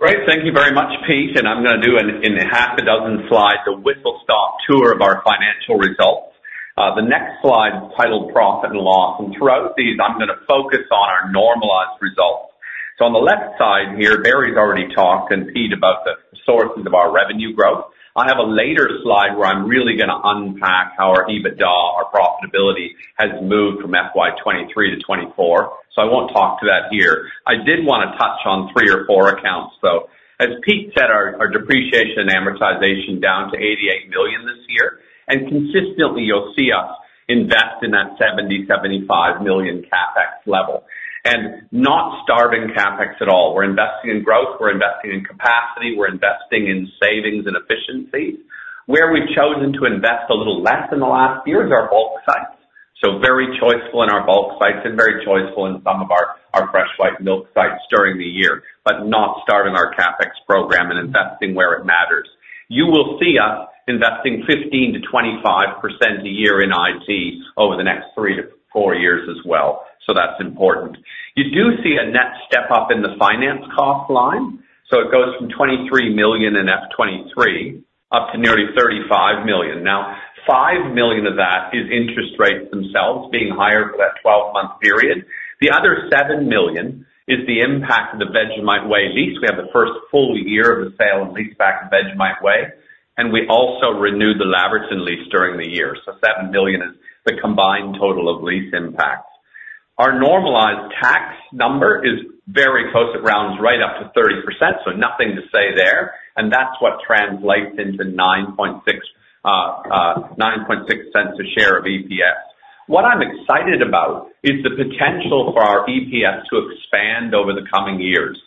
Great. Thank you very much, Pete, and I'm gonna do in half a dozen slides, a whistle-stop tour of our financial results. The next slide is titled Profit and Loss, and throughout these, I'm gonna focus on our normalized results. So on the left side here, Barry's already talked, and Pete, about the sources of our revenue growth. I have a later slide where I'm really gonna unpack how our EBITDA, our profitability, has moved from FY 2023 to 2024, so I won't talk to that here. I did wanna touch on three or four accounts, though. As Pete said, our depreciation and amortization down to 88 million this year, and consistently you'll see us invest in that 70 million to 75 million CapEx level, and not starving CapEx at all. We're investing in growth, we're investing in capacity, we're investing in savings and efficiency. Where we've chosen to invest a little less than the last year is our bulk sites. So very choiceful in our bulk sites and very choiceful in some of our fresh white milk sites during the year, but not starving our CapEx program and investing where it matters. You will see us investing 15% to 25% a year in IT over the next three to four years as well, so that's important. You do see a net step up in the finance cost line, so it goes from 23 million in FY 2023 up to nearly 35 million. Now, 5 million of that is interest rates themselves being higher for that 12-month period. The other 7 million is the impact of the Vegemite Way lease. We have the first full year of the sale and lease back of Vegemite Way, and we also renewed the Laverton lease during the year. So 7 million is the combined total of lease impacts. Our normalized tax number is very close. It rounds right up to 30%, so nothing to say there, and that's what translates into 9.6 cents a share of EPS. What I'm excited about is the potential for our EPS to expand over the coming years.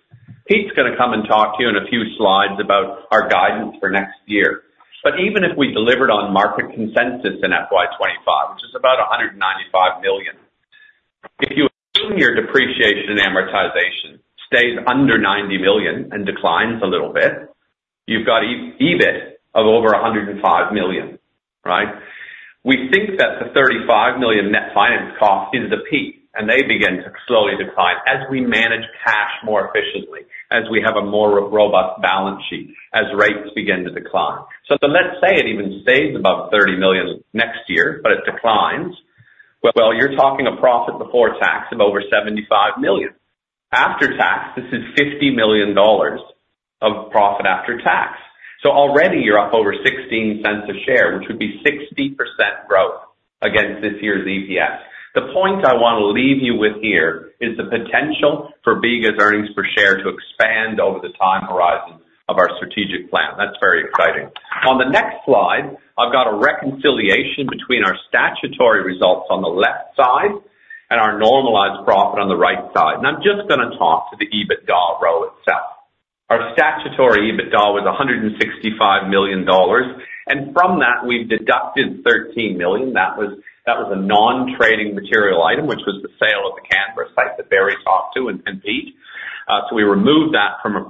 Pete's gonna come and talk to you in a few slides about our guidance for next year. But even if we delivered on market consensus in FY 25, which is about 195 million, if you assume your depreciation and amortization stays under 90 million and declines a little bit, you've got EBIT of over 105 million, right? We think that the 35 million net finance cost is the peak, and they begin to slowly decline as we manage cash more efficiently, as we have a more robust balance sheet, as rates begin to decline. So then let's say it even stays above 30 million next year, but it declines. Well, you're talking a profit before tax of over 75 million. After tax, this is 50 million dollars of profit after tax. So already you're up over 0.16 a share, which would be 60% growth against this year's EPS. The point I want to leave you with here is the potential for Bega's earnings per share to expand over the time horizon of our strategic plan. That's very exciting. On the next slide, I've got a reconciliation between our statutory results on the left side and our normalized profit on the right side. I'm just gonna talk to the EBITDA row itself. Our statutory EBITDA was 165 million dollars, and from that we've deducted 13 million. That was a non-trading material item, which was the sale of the Canberra site that Barry talked to and Pete. So we removed that from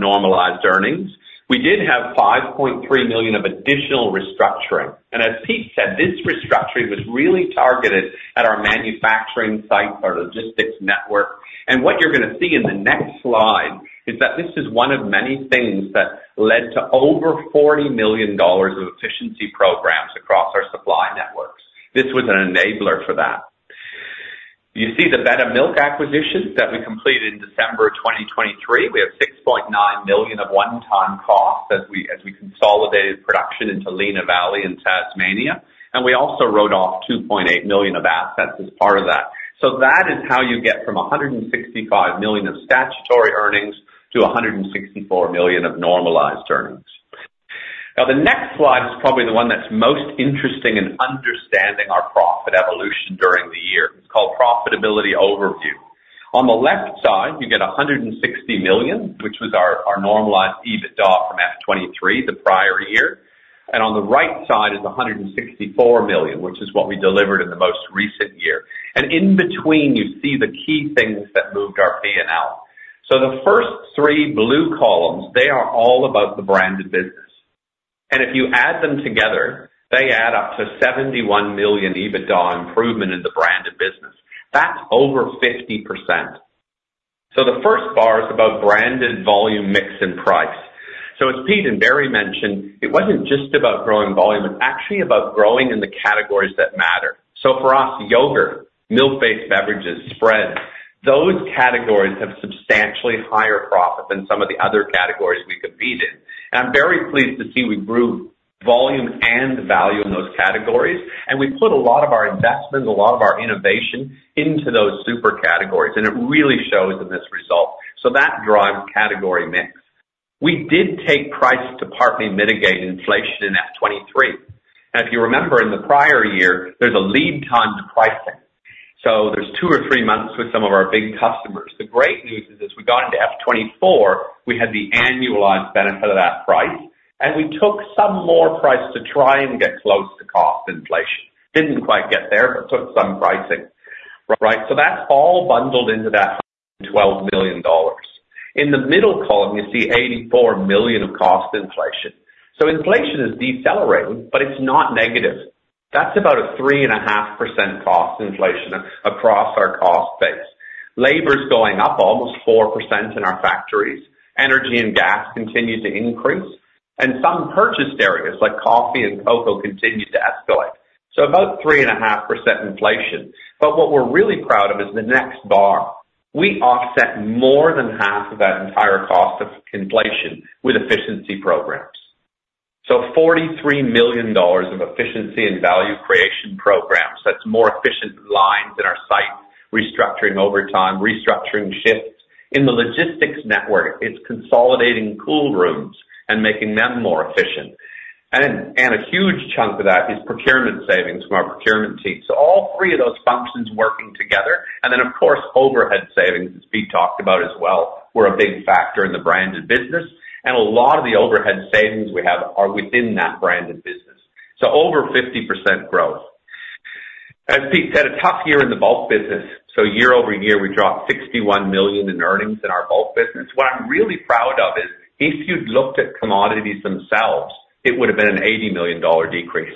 normalized earnings. We did have 5.3 million of additional restructuring, and as Pete said, this restructuring was really targeted at our manufacturing sites, our logistics network. What you're gonna see in the next slide is that this is one of many things that led to over 40 million dollars of efficiency programs across our supply networks. This was an enabler for that. You see the Betta Milk acquisition that we completed in December 2023. We have 6.9 million of one-time costs as we consolidated production into Lenah Valley in Tasmania, and we also wrote off 2.8 million of assets as part of that. So that is how you get from 165 million of statutory earnings to 164 million of normalized earnings. Now, the next slide is probably the one that's most interesting in understanding our profit evolution during the year. It's called profitability overview. On the left side, you get 160 million, which was our normalized EBITDA from FY 2023, the prior year, and on the right side is 164 million, which is what we delivered in the most recent year. And in between, you see the key things that moved our P&L. So the first three blue columns, they are all about the branded business, and if you add them together, they add up to 71 million EBITDA improvement in the branded business. That's over 50%. So the first bar is about branded volume, mix, and price. So as Pete and Barry mentioned, it wasn't just about growing volume, it's actually about growing in the categories that matter. So for us, yogurt, milk-based beverages, spreads, those categories have substantially higher profit than some of the other categories we compete in. I'm very pleased to see we grew volume and value in those categories, and we put a lot of our investment, a lot of our innovation into those super categories, and it really shows in this result. That drives category mix. We did take price to partly mitigate inflation in FY 2023. If you remember, in the prior year, there's a lead time to pricing. There's two or three months with some of our big customers. The great news is, as we got into FY 2024, we had the annualized benefit of that price, and we took some more price to try and get close to cost inflation. Didn't quite get there, but took some pricing, right? That's all bundled into that 12 million dollars. In the middle column, you see 84 million of cost inflation. Inflation is decelerating, but it's not negative. That's about a 3.5% cost inflation across our cost base. Labor's going up almost 4% in our factories. Energy and gas continue to increase, and some purchased areas like coffee and cocoa continue to escalate. So about 3.5% inflation. But what we're really proud of is the next bar. We offset more than half of that entire cost of inflation with efficiency programs. So 43 million dollars of efficiency and value creation programs, that's more efficient lines in our site, restructuring overtime, restructuring shifts. In the logistics network, it's consolidating cool rooms and making them more efficient. And a huge chunk of that is procurement savings from our procurement team. So all three of those functions working together, and then, of course, overhead savings, as Pete talked about as well, were a big factor in the branded business, and a lot of the overhead savings we have are within that branded business. So over 50% growth. As Pete said, a tough year in the bulk business, so year-over-year, we dropped 61 million in earnings in our bulk business. What I'm really proud of is, if you'd looked at commodities themselves, it would have been an 80 million dollar decrease.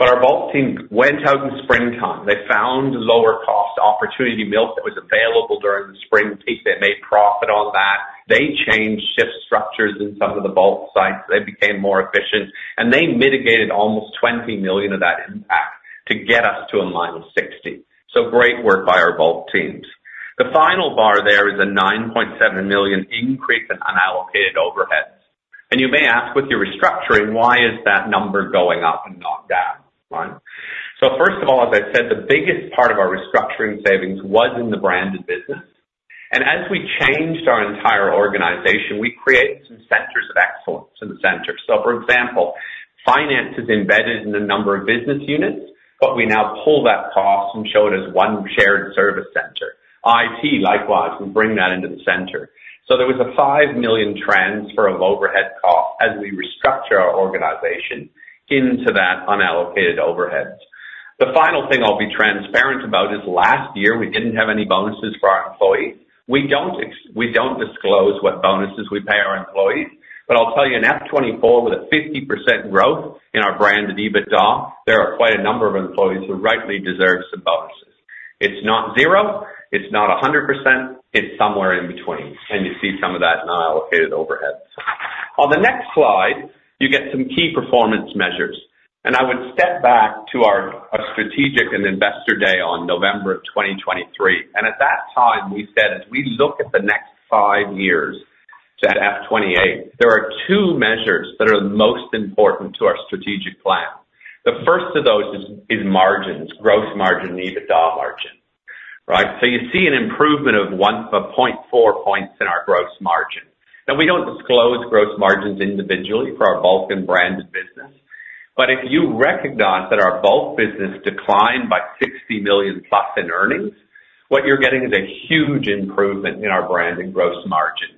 But our bulk team went out in springtime. They found lower cost opportunity milk that was available during the spring peak. They made profit on that. They changed shift structures in some of the bulk sites. They became more efficient, and they mitigated almost 20 million of that impact to get us to a minus 60. So great work by our bulk teams. The final bar there is an 9.7 million increase in unallocated overhead. And you may ask, with your restructuring, why is that number going up and not down? Right. So first of all, as I said, the biggest part of our restructuring savings was in the branded business, and as we changed our entire organization, we created some centers of excellence in the center. So, for example, finance is embedded in a number of business units, but we now pull that cost and show it as one shared service center. IT, likewise, we bring that into the center. So there was an 5 million transfer of overhead costs as we restructure our organization into that unallocated overheads. The final thing I'll be transparent about is last year, we didn't have any bonuses for our employees. We don't disclose what bonuses we pay our employees, but I'll tell you, in FY 2024, with a 50% growth in our branded EBITDA, there are quite a number of employees who rightly deserve some bonuses. It's not zero, it's not 100%, it's somewhere in between, and you see some of that in our allocated overheads. On the next slide, you get some key performance measures, and I would step back to our strategic and investor day on November 2023. At that time, we said, as we look at the next five years to FY 2028, there are two measures that are the most important to our strategic plan. The first of those is margins, gross margin, EBITDA margin, right? So you see an improvement of 1.4 points in our gross margin. Now, we don't disclose gross margins individually for our bulk and branded business, but if you recognize that our bulk business declined by 60 million plus in earnings, what you're getting is a huge improvement in our branding gross margin,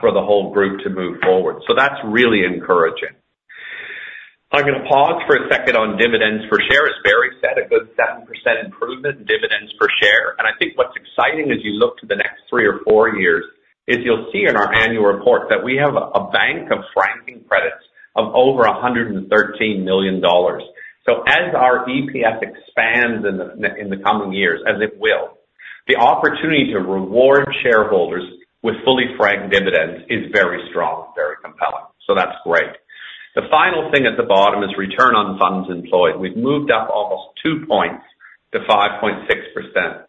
for the whole group to move forward. So that's really encouraging. I'm going to pause for a second on dividends per share. As Barry said, a good 7% improvement in dividends per share. And I think what's exciting as you look to the next three or four years, is you'll see in our annual report that we have a bank of franking credits of over 113 million dollars. So as our EPS expands in the, in the coming years, as it will, the opportunity to reward shareholders with fully franked dividends is very strong, very compelling. So that's great. The final thing at the bottom is return on funds employed. We've moved up almost 2.0% to 5.6%.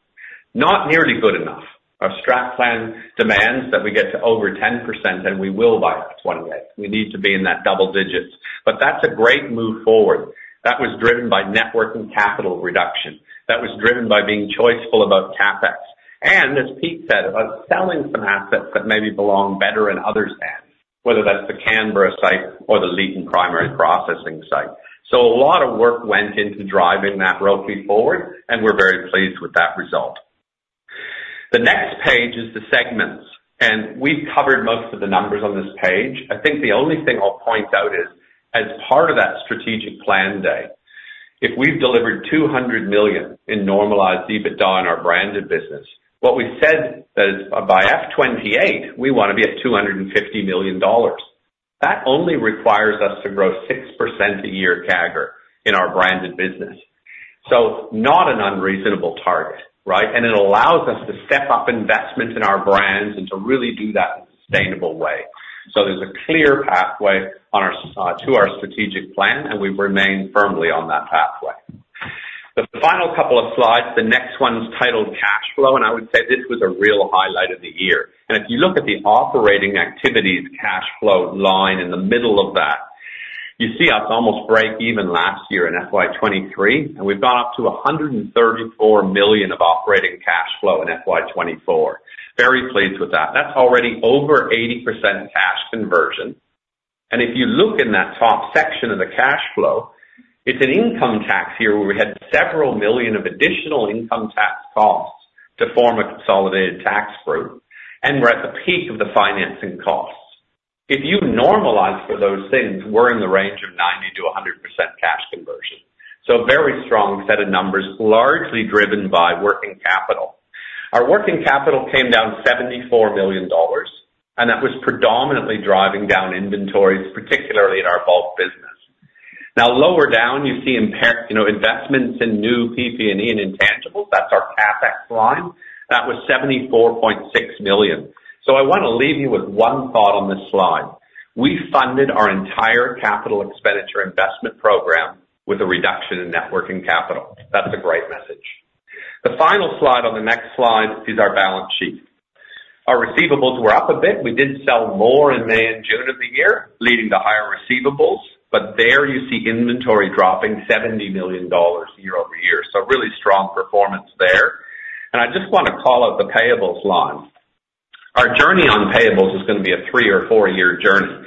Not nearly good enough. Our strat plan demands that we get to over 10%, and we will by FY25 year. We need to be in that double digits, but that's a great move forward. That was driven by net working capital reduction. That was driven by being choiceful about CapEx, and as Pete said, about selling some assets that maybe belong better in other hands, whether that's the Canberra site or the Leeton primary processing site. So a lot of work went into driving that ROFE forward, and we're very pleased with that result. The next page is the segments, and we've covered most of the numbers on this page. I think the only thing I'll point out is, as part of that strategic plan day, if we've delivered 200 million in normalized EBITDA in our branded business, what we've said is by FY 2028, we want to be at AUD 250 million. That only requires us to grow 6% a year CAGR in our branded business. So not an unreasonable target, right? And it allows us to step up investment in our brands and to really do that in a sustainable way. So there's a clear pathway to our strategic plan, and we've remained firmly on that pathway. The final couple of slides, the next one is titled Cash Flow, and I would say this was a real highlight of the year. And, if you look at the operating activities, cash flow line in the middle of that, you see us almost break even last year in FY 2023, and we've gone up to 134 million of operating cash flow in FY 2024. Very pleased with that. That's already over 80% cash conversion, and if you look in that top section of the cash flow, it's an income tax year where we had several million of additional income tax costs to form a consolidated tax group, and we're at the peak of the financing costs. If you normalize for those things, we're in the range of 90% to 100% cash conversion. So a very strong set of numbers, largely driven by working capital. Our working capital came down 74 million dollars, and that was predominantly driving down inventories, particularly in our bulk business. Now, lower down, you see our, you know, investments in new PP&E and intangibles. That's our CapEx line. That was 74.6 million. So I want to leave you with one thought on this slide: We funded our entire capital expenditure investment program with a reduction in net working capital. That's a great message. The final slide on the next slide is our balance sheet. Our receivables were up a bit. We did sell more in May and June of the year, leading to higher receivables, but there you see inventory dropping 70 million dollars year over year. So really strong performance there. And I just want to call out the payables line. Our journey on payables is going to be a three or four year journey.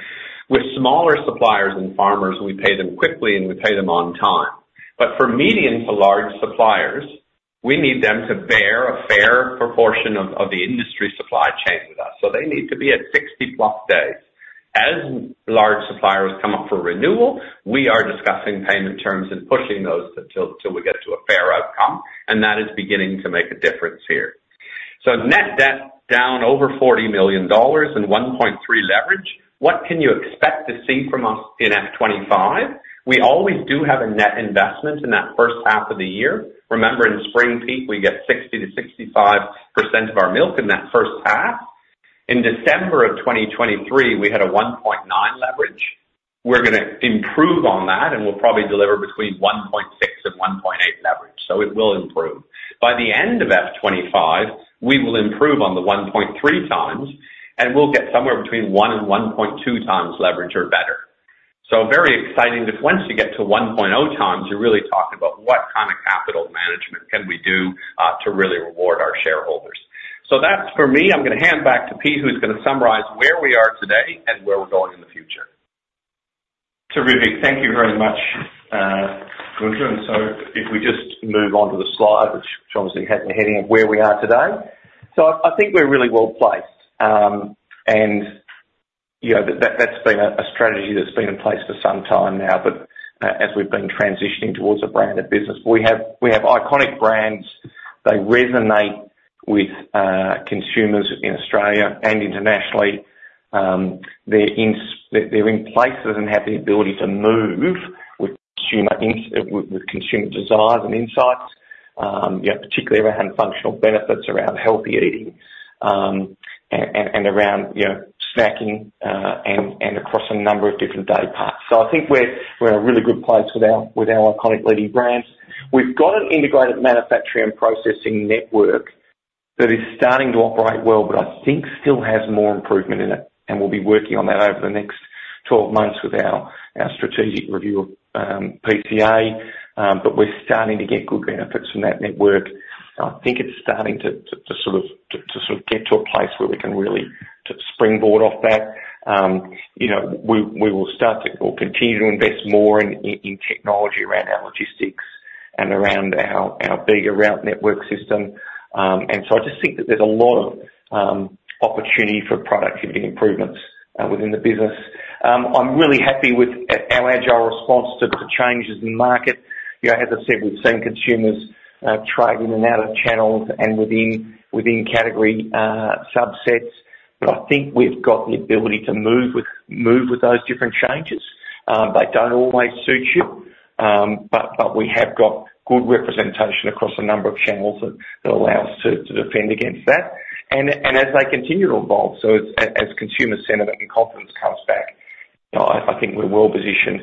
With smaller suppliers and farmers, we pay them quickly and we pay them on time. But for medium to large suppliers, we need them to bear a fair proportion of the industry supply chain with us, so they need to be at 60+ days. As large suppliers come up for renewal, we are discussing payment terms and pushing those until we get to a fair outcome, and that is beginning to make a difference here. So net debt down over 40 million dollars and 1.3 leverage. What can you expect to see from us in FY25? We always do have a net investment in that H1 of the year. Remember, in spring peak, we get 60% to 65% of our milk in that first half. In December of 2023, we had a 1.9 leverage. We're gonna improve on that, and we'll probably deliver between 1.6 and 1.8 leverage, so it will improve. By the end of FY25, we will improve on the one point three times, and we'll get somewhere between one and one point two times leverage or better. So very exciting, because once you get to 1.0 times, you're really talking about what kind of capital management? Can we do, to really reward our shareholders? So that's for me. I'm gonna hand back to Pete, who's gonna summarize where we are today and where we're going in the future. Terrific. Thank you very much, Gunther, and so if we just move on to the slide, which obviously has the heading of where we are today. So I think we're really well-placed. You know, that's been a strategy that's been in place for some time now, but as we've been transitioning towards a branded business, we have iconic brands. They resonate with consumers in Australia and internationally. They're in places and have the ability to move with consumer desires and insights, yeah, particularly around functional benefits, around healthier eating, and around you know, snacking, and across a number of different day parts. So I think we're in a really good place with our iconic leading brands. We've got an integrated manufacturing and processing network that is starting to operate well, but I think still has more improvement in it, and we'll be working on that over the next 12 months with our strategic review of PCA. But we're starting to get good benefits from that network. I think it's starting to sort of get to a place where we can really springboard off that. You know, we will start to or continue to invest more in technology around our logistics and around our bigger route network system. And so I just think that there's a lot of opportunity for productivity improvements within the business. I'm really happy with our agile response to the changes in the market. You know, as I said, we've seen consumers trade in and out of channels and within category subsets, but I think we've got the ability to move with those different changes. They don't always suit you, but we have got good representation across a number of channels that allow us to defend against that. And as they continue to evolve, so as consumer sentiment and confidence comes back, I think we're well positioned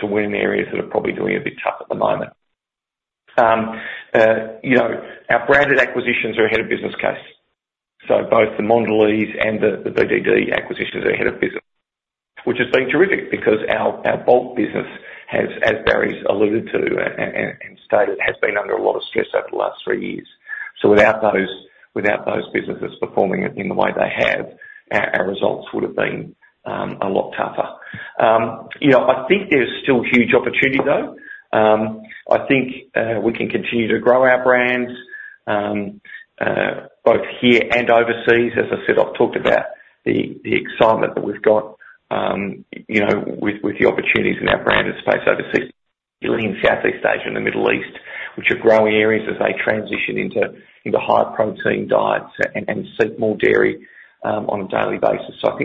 to win in areas that are probably doing a bit tough at the moment. You know, our branded acquisitions are ahead of business case, so both the Mondelēz and the BDD acquisitions are ahead of business, which has been terrific because our bulk business has, as Barry's alluded to and stated, has been under a lot of stress over the last three years. So without those businesses performing in the way they have, our results would have been a lot tougher. You know, I think there's still huge opportunity, though. I think we can continue to grow our brands both here and overseas. As I said, I've talked about the excitement that we've got, you know, with the opportunities in our branded space overseas, particularly in Southeast Asia and the Middle East, which are growing areas as they transition into even higher protein diets and seek more dairy on a daily basis. So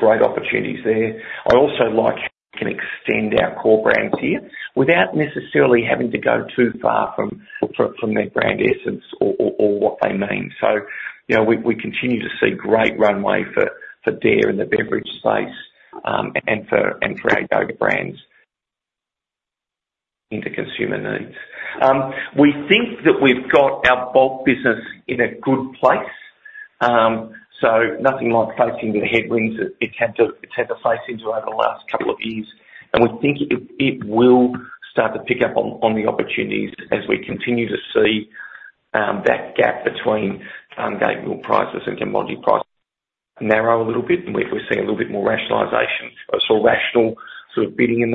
I think great opportunities there. I also like can extend our core brands here without necessarily having to go too far from their brand essence or what they mean. So, you know, we continue to see great runway for Dare in the beverage space, and for our yogurt brands into consumer needs. We think that we've got our bulk business in a good place. So nothing like facing the headwinds that it had to face into over the last couple of years, and we think it will start to pick up on the opportunities as we continue to see that gap between farmgate milk prices and commodity prices narrow a little bit, and we're seeing a little bit more rationalization or sort of rational bidding in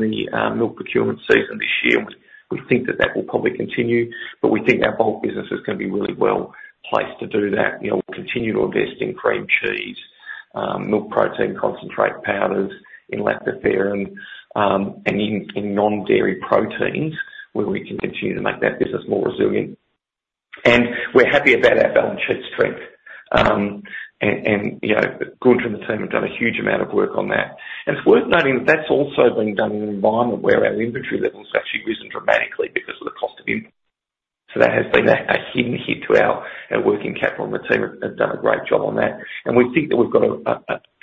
the milk procurement season this year. We think that that will probably continue, but we think our bulk business is gonna be really well placed to do that. You know, we'll continue to invest in cream cheese, milk protein concentrate powders, in lactoferrin, and in non-dairy proteins, where we can continue to make that business more resilient. We're happy about our balance sheet strength. And you know, Gunther and the team have done a huge amount of work on that. And it's worth noting that that's also been done in an environment where our inventory levels have actually risen dramatically because of the cost of input. So that has been a hidden hit to our working capital, and the team have done a great job on that. And we think that we've got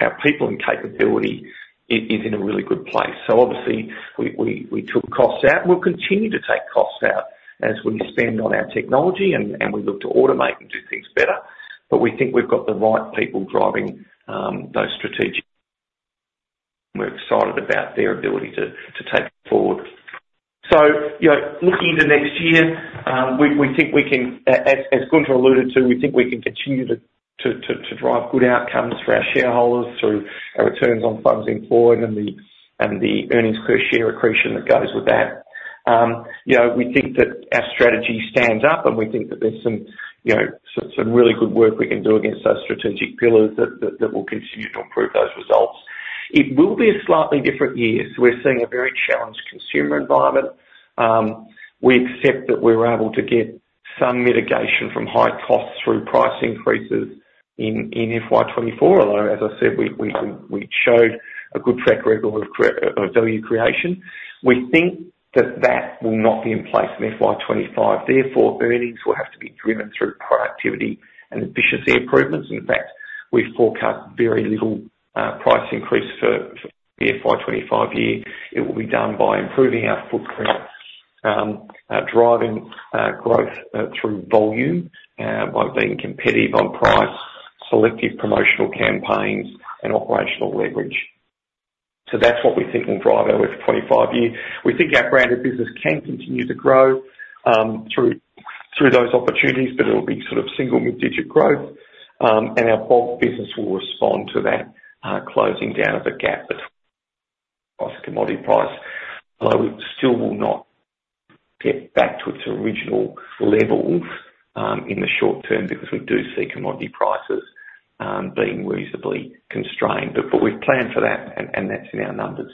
our people and capability is in a really good place. So obviously, we took costs out, and we'll continue to take costs out as we spend on our technology, and we look to automate and do things better. But we think we've got the right people driving those strategies. We're excited about their ability to take forward. You know, looking into next year, as Gunther alluded to, we think we can continue to drive good outcomes for our shareholders through our returns on funds employed and the earnings per share accretion that goes with that. You know, we think that our strategy stands up, and we think that there's some really good work we can do against those strategic pillars that will continue to improve those results. It will be a slightly different year, so we're seeing a very challenged consumer environment. We accept that we're able to get some mitigation from high costs through price increases in FY 2024, although, as I said, we showed a good track record of value creation. We think that that will not be in place in FY25. Therefore, earnings will have to be driven through productivity and efficiency improvements. In fact, we've forecast very little price increase for the FY25 year. It will be done by improving our footprint, driving growth through volume by being competitive on price, selective promotional campaigns, and operational leverage. That's what we think will drive our FY25 year. We think our branded business can continue to grow through those opportunities, but it'll be sort of single mid-digit growth, and our bulk business will respond to that closing down of the gap between cost and commodity price, although it still will not get back to its original levels in the short term, because we do see commodity prices being reasonably constrained. We've planned for that, and that's in our numbers.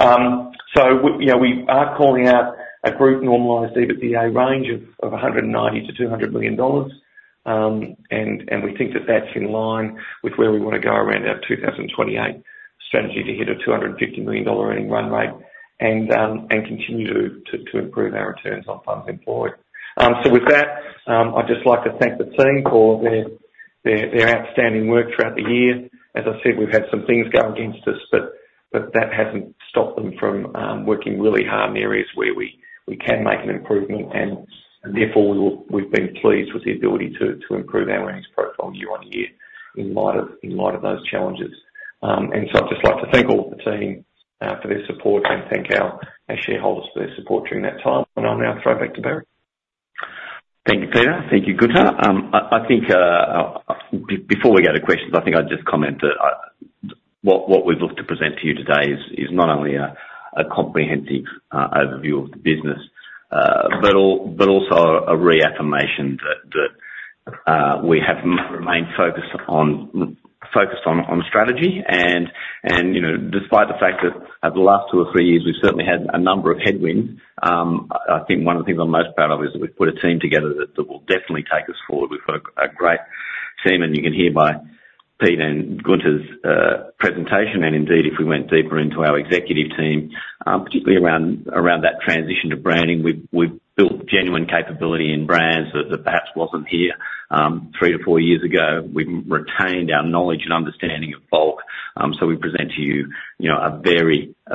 You know, we are calling out a group normalized EBITDA range of 190 million to 200 million dollars. And we think that that's in line with where we wanna go around our 2028 strategy to hit a 250 million dollar earning run rate, and continue to improve our returns on funds employed. With that, I'd just like to thank the team for their outstanding work throughout the year. As I said, we've had some things go against us, but that hasn't stopped them from working really hard in the areas where we can make an improvement, and therefore, we've been pleased with the ability to improve our earnings profile year-on-year in light of those challenges. And so I'd just like to thank all of the team for their support, and thank our shareholders for their support during that time. And I'll now throw back to Barry. Thank you, Pete. Thank you, Gunther. I think before we go to questions, I think I'd just comment that what we've looked to present to you today is not only a comprehensive overview of the business, but also a reaffirmation that we have remained focused on strategy. You know, despite the fact that over the last two or three years, we've certainly had a number of headwinds, I think one of the things I'm most proud of is that we've put a team together that will definitely take us forward. We've got a great team, and you can hear by Pete and Gunther's presentation, and indeed, if we went deeper into our executive team, particularly around that transition to branding, we've built genuine capability in brands that perhaps wasn't here, three to four years ago. We've retained our knowledge and understanding of bulk. So we present to you, you know, a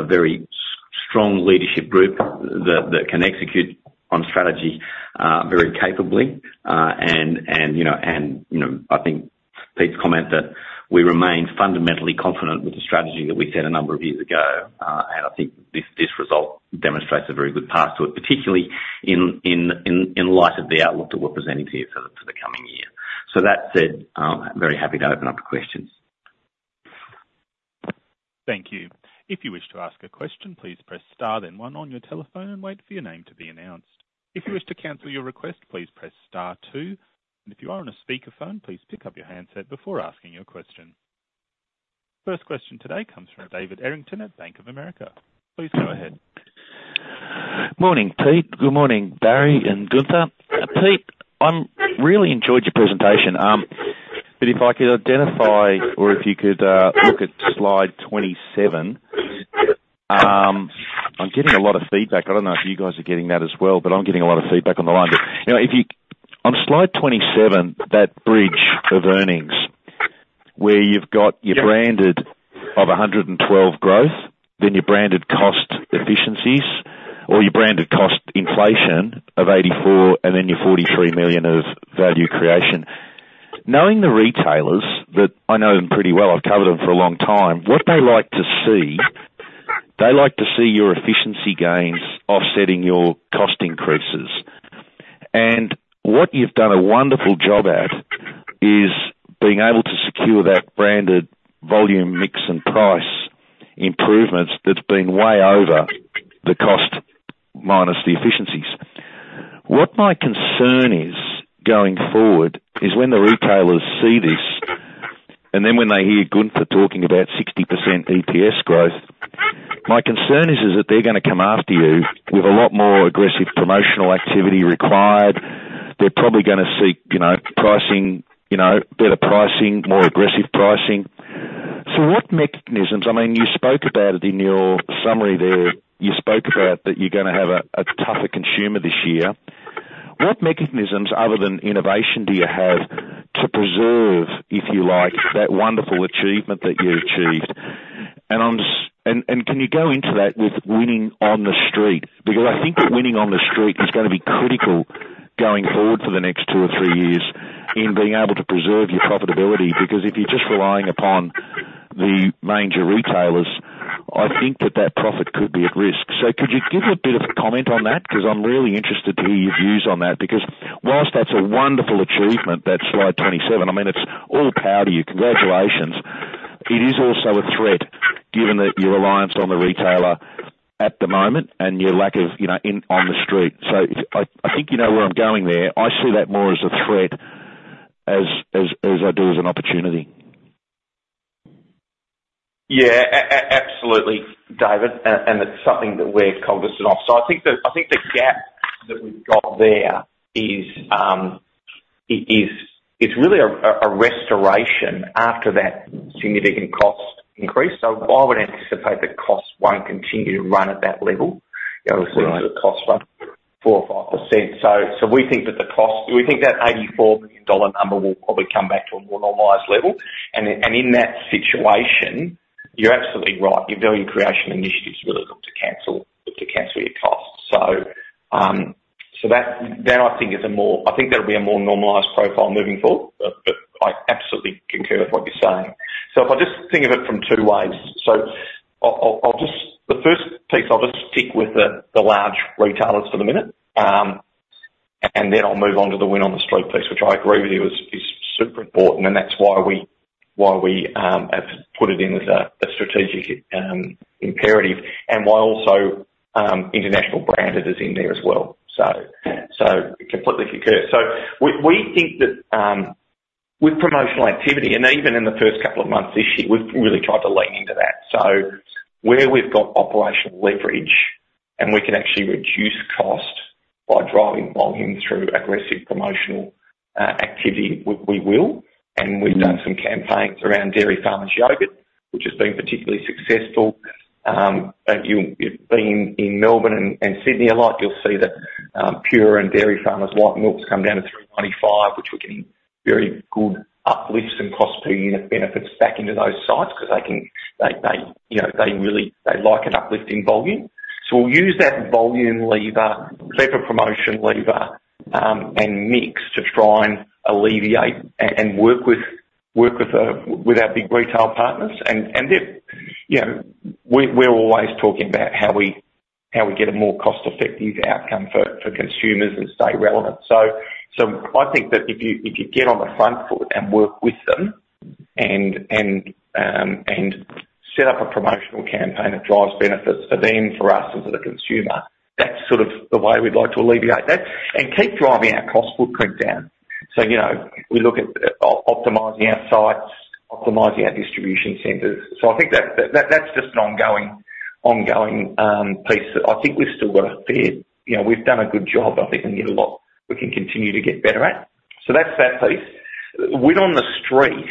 very strong leadership group that can execute on strategy very capably. And, you know, I think Pete's comment that we remain fundamentally confident with the strategy that we set a number of years ago, and I think this result demonstrates a very good path to it, particularly in light of the outlook that we're presenting to you for the coming year. So that said, very happy to open up the questions. Thank you. If you wish to ask a question, please press star then one on your telephone and wait for your name to be announced. If you wish to cancel your request, please press star two, and if you are on a speakerphone, please pick up your handset before asking your question. First question today comes from David Errington at Bank of America. Please go ahead. Morning, Pete. Good morning, Barry and Gunther. Pete, I really enjoyed your presentation, but if I could identify or if you could look at slide 27. I'm getting a lot of feedback. I don't know if you guys are getting that as well, but I'm getting a lot of feedback on the line. But, you know, if you on slide 27, that bridge of earnings where you've got your branded of 112 growth, then your branded cost efficiencies, or your branded cost inflation of 84, and then your 43 million of value creation. Knowing the retailers, that I know them pretty well, I've covered them for a long time, what they like to see your efficiency gains offsetting your cost increases. What you've done a wonderful job at is being able to secure that branded volume, mix, and price improvements that's been way over the cost minus the efficiencies. What my concern is going forward is when the retailers see this, and then when they hear Gunther talking about 60% EPS growth, my concern is that they're gonna come after you with a lot more aggressive promotional activity required. They're probably gonna seek, you know, pricing, you know, better pricing, more aggressive pricing. So what mechanisms... I mean, you spoke about it in your summary there, you spoke about that you're gonna have a tougher consumer this year. What mechanisms, other than innovation, do you have to preserve, if you like, that wonderful achievement that you achieved? And can you go into that with winning on the street? Because I think that winning on the street is gonna be critical going forward for the next two or three years, in being able to preserve your profitability, because if you're just relying upon the major retailers, I think that that profit could be at risk. So could you give a bit of comment on that? Because I'm really interested to hear your views on that. Because while that's a wonderful achievement, that slide 27, I mean, it's all power to you. Congratulations. It is also a threat, given that your reliance on the retailer at the moment, and your lack of, you know, on the street. So I think you know where I'm going there. I see that more as a threat, as I do as an opportunity. Yeah, absolutely, David, and it's something that we're cognizant of. So I think the gap that we've got there is, it's really a restoration after that significant cost increase. So I would anticipate that costs won't continue to run at that level. You know, costs run 4% or 5%. So we think that 84 million dollar number will probably come back to a more normalized level. And in that situation, you're absolutely right, your value creation initiative is really, so that I think think that'll be a more normalized profile moving forward, but I absolutely concur with what you're saying. So if I just think of it from two ways, the first piece, I'll just stick with the large retailers for the minute, and then I'll move on to the win on the street piece, which I agree with you is super important, and that's why we have put it in as a strategic imperative, and why also international branded is in there as well. So completely concur. So we think that with promotional activity, and even in the first couple of months this year, we've really tried to lean into that. So where we've got operational leverage, and we can actually reduce cost by driving volume through aggressive promotional activity, we will. And we've done some campaigns around Dairy Farmers Yogurt, which has been particularly successful. But you've been in Melbourne and Sydney a lot, you'll see that Pura and Dairy Farmers white milks come down to 3.95, which we're getting very good uplifts and cost per unit benefits back into those sites. They really like an uplift in volume. So we'll use that volume lever, promotion lever, and mix to try and alleviate and work with our big retail partners. And we're always talking about how we get a more cost-effective outcome for consumers and stay relevant. So I think that if you get on the front foot and work with them and set up a promotional campaign that drives benefits for them, for us, and for the consumer, that's sort of the way we'd like to alleviate that and keep driving our cost footprint down. So you know, we look at optimizing our sites, optimizing our distribution centers, so I think that's just an ongoing piece that I think we've still got a fair... You know, we've done a good job, I think, and we can continue to get better at. So that's that piece. Win on the street,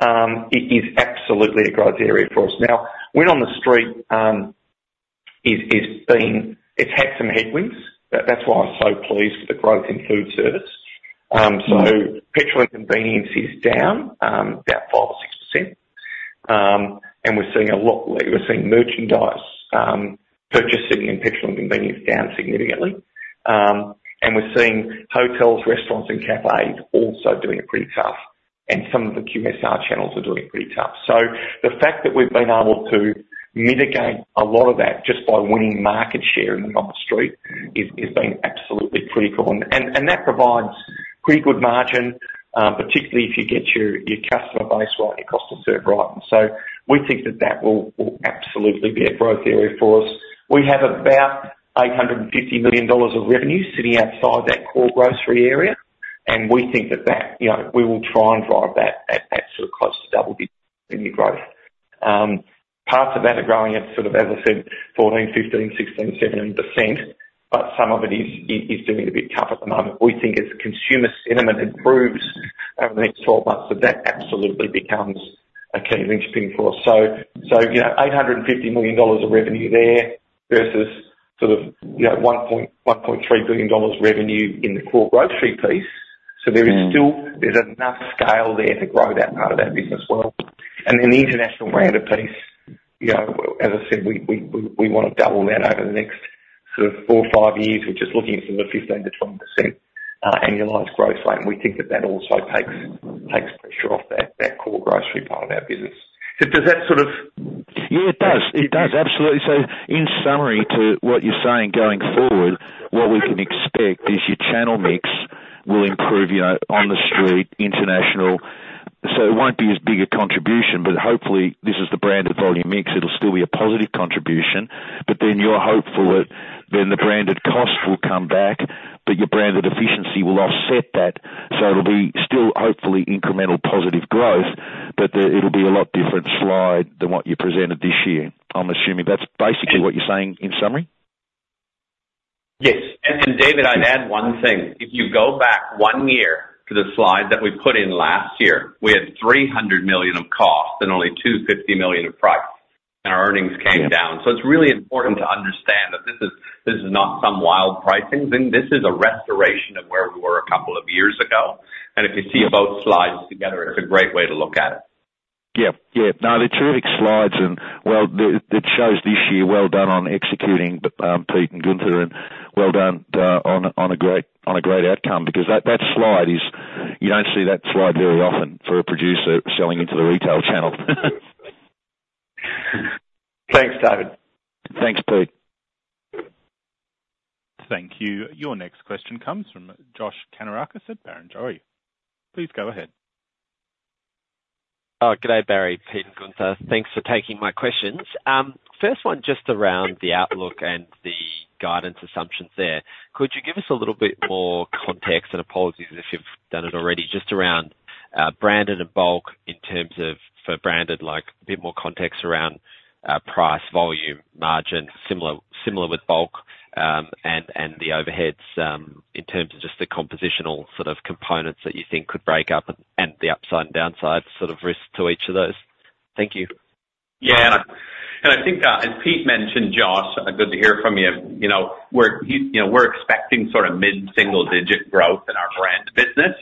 it is absolutely a growth area for us. Now, win on the street, it had some headwinds, but that's why I'm so pleased with the growth in food service. So petrol and convenience is down about 5% or 6%. And we're seeing merchandise purchasing in petrol and convenience down significantly. And we're seeing hotels, restaurants, and cafes also doing it pretty tough, and some of the QSR channels are doing it pretty tough. So the fact that we've been able to mitigate a lot of that just by winning market share in the street is being absolutely pretty cool. And that provides pretty good margin, particularly if you get your customer base right, your cost to serve right. So we think that will be a growth area for us. We have about 850 million dollars of revenue sitting outside that core grocery area, and we think that, you know, we will try and drive that at sort of close to double-digit growth. Parts of that are growing at sort of, as I said, 14%, 15%, 16%, 17%, but some of it is doing a bit tough at the moment. We think as consumer sentiment improves over the next 12 months, that absolutely becomes a key linchpin for us. So, you know, 850 million dollars of revenue there versus sort of, you know, 1.3 billion dollars revenue in the core grocery piece. So there's enough scale there to grow that part of that business well. And then the international branded piece, you know, as I said, we wanna double that over the next sort of four or five years. We're just looking at sort of 15% to 20% annualized growth rate. We think that also takes pressure off that core grocery part of our business. Yeah, it does, absolutely. So in summary to what you're saying, going forward, what we can expect is your channel mix will improve, you know, on the street, international. So it won't be as big a contribution, but hopefully, this is the brand and volume mix, it'll still be a positive contribution. But then you're hopeful that then the branded costs will come back, but your branded efficiency will offset that, so it'll be still hopefully incremental positive growth, but it'll be a lot different slide than what you presented this year. I'm assuming that's basically what you're saying, in summary? Yes. Then, David, I'd add one thing. If you go back one year to the slide that we put in last year, we had 300 million of costs and only 250 million of price, and our earnings came down. So it's really important to understand that this is, this is not some wild pricing thing. This is a restoration of where we were a couple of years ago, and if you see both slides together, it's a great way to look at it. Yeah. Yeah, no, they're terrific slides, and well, it shows this year. Well done on executing, Pete and Gunther, and well done on a great outcome, because you don't see that slide very often for a producer selling into the retail channel. Thanks, David. Thanks, Pete. Thank you. Your next question comes from Josh Kannourakis at Barrenjoey. Please go ahead. Good day, Barry, Pete, and Gunther. Thanks for taking my questions. First one, just around the outlook and the guidance assumptions there. Could you give us a little bit more context, and apologies if you've done it already, just around branded and bulk in terms of, for branded, like, a bit more context around price, volume, margin. Similar with bulk, and the overheads, in terms of just the compositional sort of components that you think could break up, and the upside and downside sort of risks to each of those. Thank you. Yeah, and I think, as Pete mentioned, Josh, good to hear from you. You know, we're you know, we're expecting sort of mid-single digit growth in our brand business.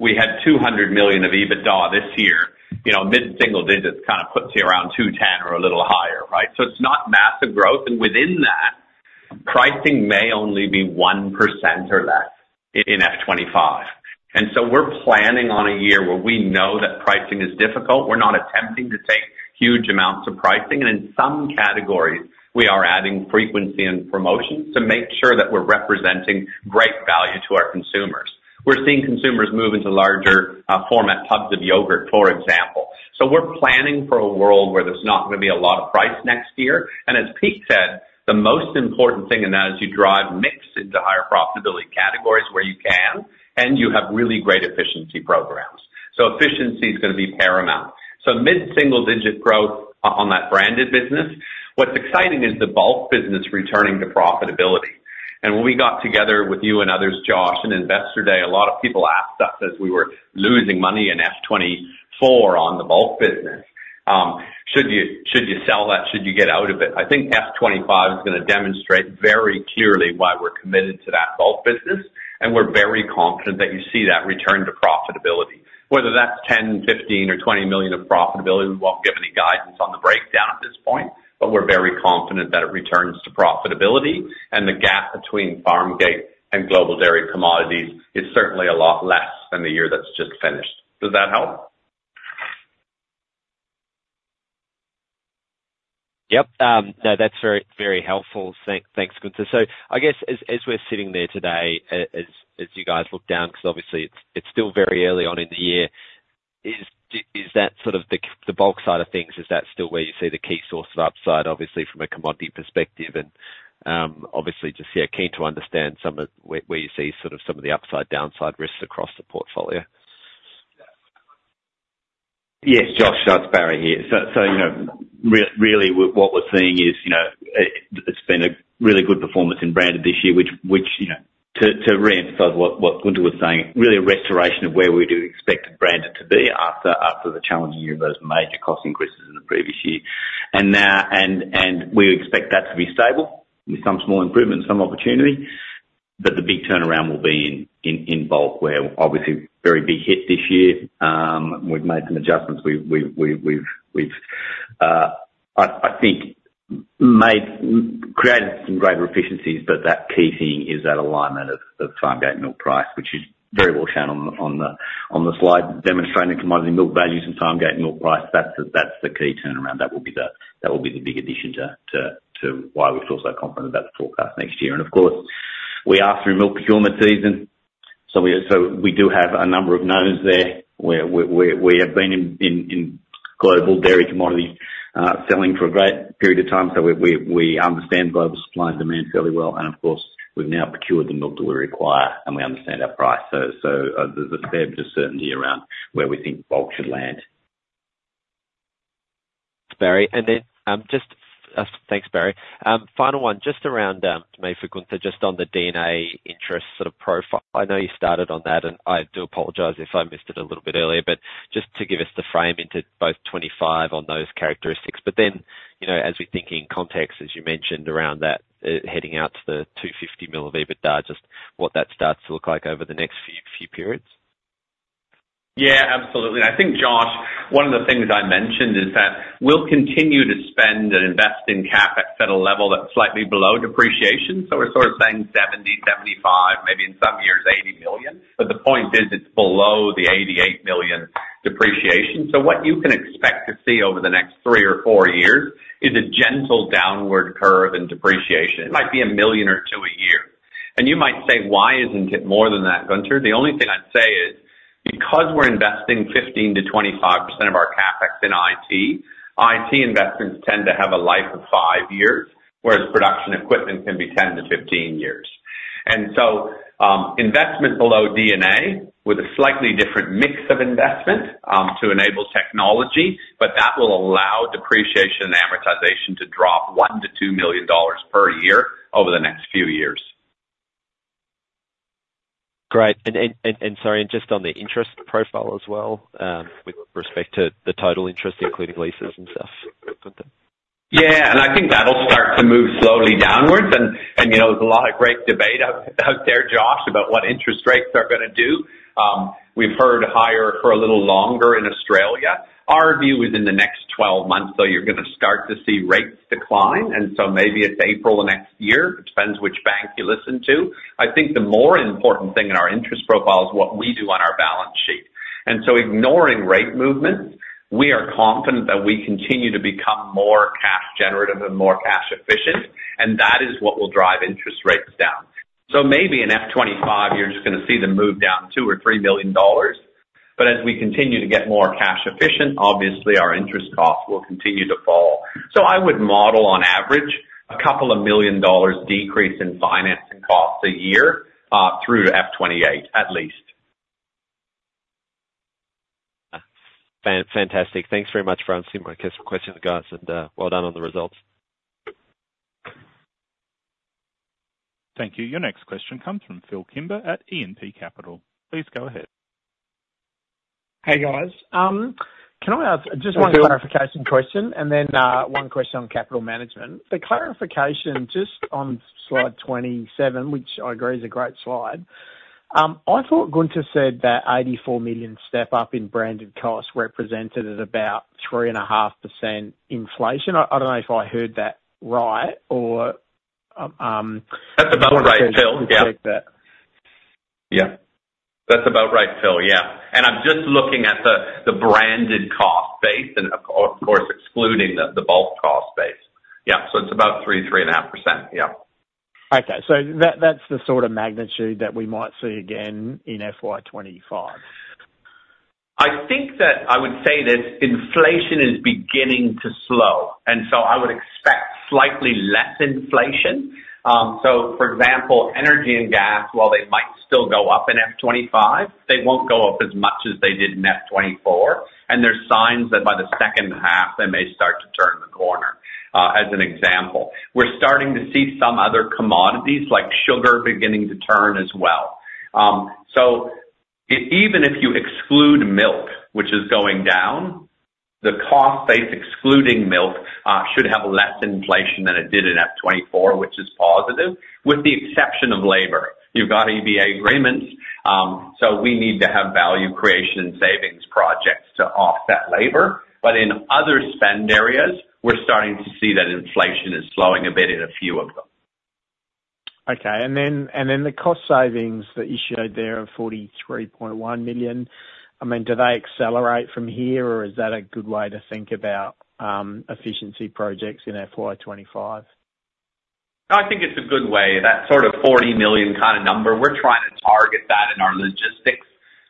We had 200 million of EBITDA this year, you know, mid-single digits kind of puts you around 210 or a little higher, right? So it's not massive growth, and within that, pricing may only be 1% or less in FY 2025. And so we're planning on a year where we know that pricing is difficult. We're not attempting to take huge amounts of pricing, and in some categories, we are adding frequency and promotion to make sure that we're representing great value to our consumers. We're seeing consumers move into larger format tubs of yogurt, for example. So we're planning for a world where there's not gonna be a lot of price next year, and as Pete said, the most important thing in that is you drive mix into higher profitability categories where you can, and you have really great efficiency programs. So efficiency is gonna be paramount. So mid-single digit growth on that branded business. What's exciting is the bulk business returning to profitability. And when we got together with you and others, Josh, in Investor Day, a lot of people asked us as we were losing money in FY 2024 on the bulk business, "Should you sell that? Should you get out of it?" I think FY 2025 is gonna demonstrate very clearly why we're committed to that bulk business, and we're very confident that you see that return to profitability. Whether that's 10 million, 15 million, or 20 million of profitability, we won't give any guidance on the breakdown at this point, but we're very confident that it returns to profitability, and the gap between farmgate and global dairy commodities is certainly a lot less than the year that's just finished. Does that help? Yep. That's very, very helpful. Thanks, Gunther. So I guess as we're sitting there today, as you guys look down, because obviously it's still very early on in the year, is that sort of the bulk side of things, is that still where you see the key source of upside, obviously from a commodity perspective? And obviously just yeah, keen to understand some of where you see sort of some of the upside, downside risks across the portfolio. Yes, Josh, it's Barry here, so you know, really what we're seeing is, you know, it's been a really good performance in branded this year, which, you know, to reemphasize what Gunther was saying, really a restoration of where we do expect branded to be after the challenging year of those major cost increases in the previous year, and we expect that to be stable with some small improvement and some opportunity, but the big turnaround will be in bulk, where obviously a very big hit this year. We've made some adjustments. We've I think created some greater efficiencies, but that key thing is that alignment of farmgate milk price, which is very well shown on the slide, demonstrating commodity milk values and farmgate milk price. That's the key turnaround. That will be the big addition to why we feel so confident about the forecast next year. And of course, we are through milk procurement season, so we do have a number of knowns there, where we have been in global dairy commodities, selling for a great period of time. So we understand global supply and demand fairly well, and of course, we've now procured the milk that we require, and we understand our price. So there's a fair bit of certainty around where we think bulk should land. Thanks, Barry. Final one, just around, maybe for Gunther, just on the D&A interest sort of profile. I know you started on that, and I do apologize if I missed it a little bit earlier, but just to give us the frame into FY25 on those characteristics. But then, you know, as we think in context, as you mentioned around that, heading out to the 250 million of EBITDA, just what that starts to look like over the next few periods. Yeah, absolutely. I think, Josh, one of the things I mentioned is that we'll continue to spend and invest in CapEx at a level that's slightly below depreciation, so we're sort of saying 70 million to 75 million, maybe in some years, 80 million. But the point is, it's below the 88 million depreciation. So what you can expect to see over the next three or four years is a gentle downward curve in depreciation. It might be a million or two a year. And you might say: "Why isn't it more than that, Gunther?" The only thing I'd say is, because we're investing 15% to 25% of our CapEx in IT, IT investments tend to have a life of five years, whereas production equipment can be 10 to 15 years. Investment below D&A with a slightly different mix of investment to enable technology, but that will allow depreciation and amortization to drop 1 million to 2 million per year over the next few years. Great. And sorry, just on the interest profile as well, with respect to the total interest, including leases and stuff, Gunther. Yeah, and I think that'll start to move slowly downwards. And, you know, there's a lot of great debate out there, Josh, about what interest rates are gonna do. We've heard higher for a little longer in Australia. Our view is in the next 12 months, though, you're gonna start to see rates decline, and so maybe it's April of next year. It depends which bank you listen to. I think the more important thing in our interest profile is what we do on our balance sheet. And so ignoring rate movements, we are confident that we continue to become more cash generative and more cash efficient, and that is what will drive interest rates down. So maybe in FY 2025, you're just gonna see them move down 2 million or 3 million dollars, but as we continue to get more cash efficient, obviously our interest costs will continue to fall. So I would model on average, a couple of million dollars decrease in financing costs a year, through to FY 2028, at least. Fantastic. Thanks very much, folks. I think I might get some questions, guys, and well done on the results. Thank you. Your next question comes from Phil Kimber at E&P Capital. Please go ahead. Hey, guys. Can I ask just one clarification question and then one question on capital management? The clarification, just on slide 27, which I agree is a great slide. I thought Gunther said that 84 million step up in branded costs represented at about 3.5% inflation. I don't know if I heard that right or check that. Yeah, that's about right, Phil. Yeah. And I'm just looking at the branded cost base and, of course, excluding the bulk cost base. Yeah, so it's about 3 to 3.5%. Yeah. Okay, so that, that's the sort of magnitude that we might see again in FY 2025? I think that I would say that inflation is beginning to slow, and so I would expect slightly less inflation. So for example, energy and gas, while they might still go up in FY25, they won't go up as much as they did in FY24, and there's signs that by the second half, they may start to turn the corner, as an example. We're starting to see some other commodities, like sugar, beginning to turn as well. So even if you exclude milk, which is going down, the cost base excluding milk should have less inflation than it did in FY24, which is positive, with the exception of labor. You've got EBA agreements, so we need to have value creation and savings projects to offset labor. But in other spend areas, we're starting to see that inflation is slowing a bit in a few of them. Okay. And then the cost savings that you showed there of 43.1 million, I mean, do they accelerate from here? Or is that a good way to think about efficiency projects in FY 2025? I think it's a good way. That sort of 40 million kind of number, we're trying to target that in our logistics,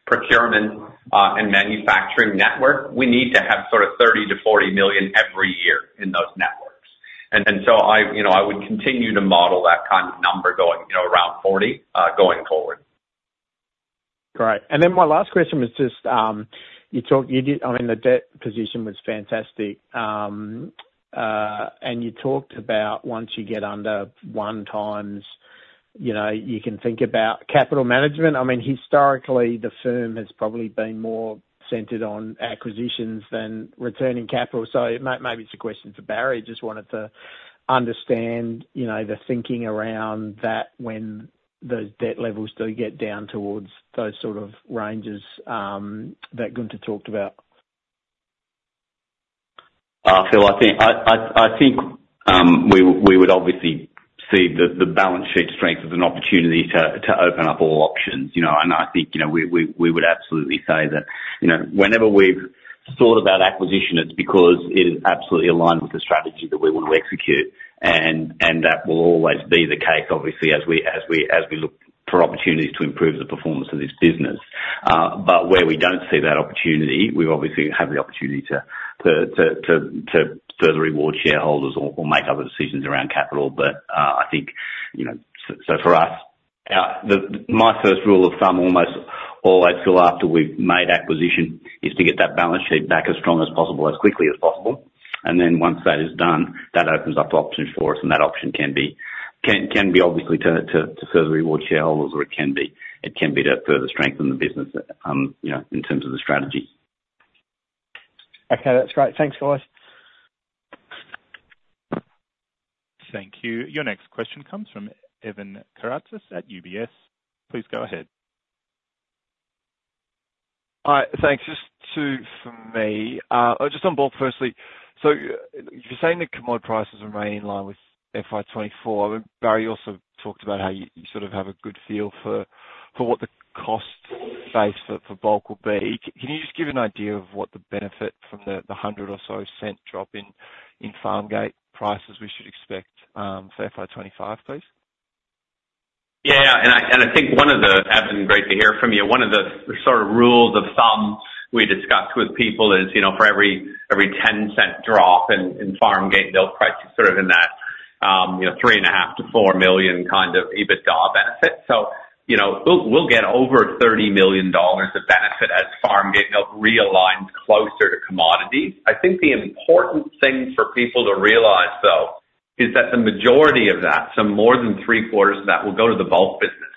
procurement, and manufacturing network. We need to have sort of 30 million to 40 million every year in those networks, and then so, you know, I would continue to model that kind of number going, you know, around 40, going forward. Great. And then my last question was just, you talked about I mean, the debt position was fantastic. And you talked about once you get under one times, you know, you can think about capital management. I mean, historically, the firm has probably been more centered on acquisitions than returning capital. So maybe it's a question for Barry. Just wanted to understand, you know, the thinking around that when those debt levels do get down towards those sort of ranges, that Gunther talked about. Phil, I think we would obviously see the balance sheet strength as an opportunity to open up all options, you know? And I think, you know, we would absolutely say that, you know, whenever we've thought about acquisition, it's because it is absolutely aligned with the strategy that we want to execute. And that will always be the case, obviously, as we look for opportunities to improve the performance of this business. But where we don't see that opportunity, we obviously have the opportunity to further reward shareholders or make other decisions around capital. But, I think, you know for us my first rule of thumb almost always, Phil, after we've made acquisition, is to get that balance sheet back as strong as possible, as quickly as possible. And then once that is done, that opens up the option for us, and that option can be obviously to further reward shareholders, or it can be to further strengthen the business, you know, in terms of the strategy. Okay, that's great. Thanks, guys. Thank you. Your next question comes from Evan Karatzas at UBS. Please go ahead. Thanks. Just two from me. Just on bulk firstly, so you're saying the commodity prices remain in line with FY 2024. Barry also talked about how you sort of have a good feel for what the cost base for bulk will be. Can you just give an idea of what the benefit from the 100 or so cent drop in farm gate prices we should expect for FY 2025, please? Yeah, Evan, great to hear from you. One of the sort of rules of thumb we discuss with people is, you know, for every ten cent drop in farm gate milk price is sort of in that, you know, 3.5 million to 4 million kind of EBITDA benefit. So, you know, we'll get over 30 million dollars of benefit as farm gate milk realigns closer to commodity. I think the important thing for people to realize, though, is that the majority of that, so more than three-quarters of that, will go to the bulk business.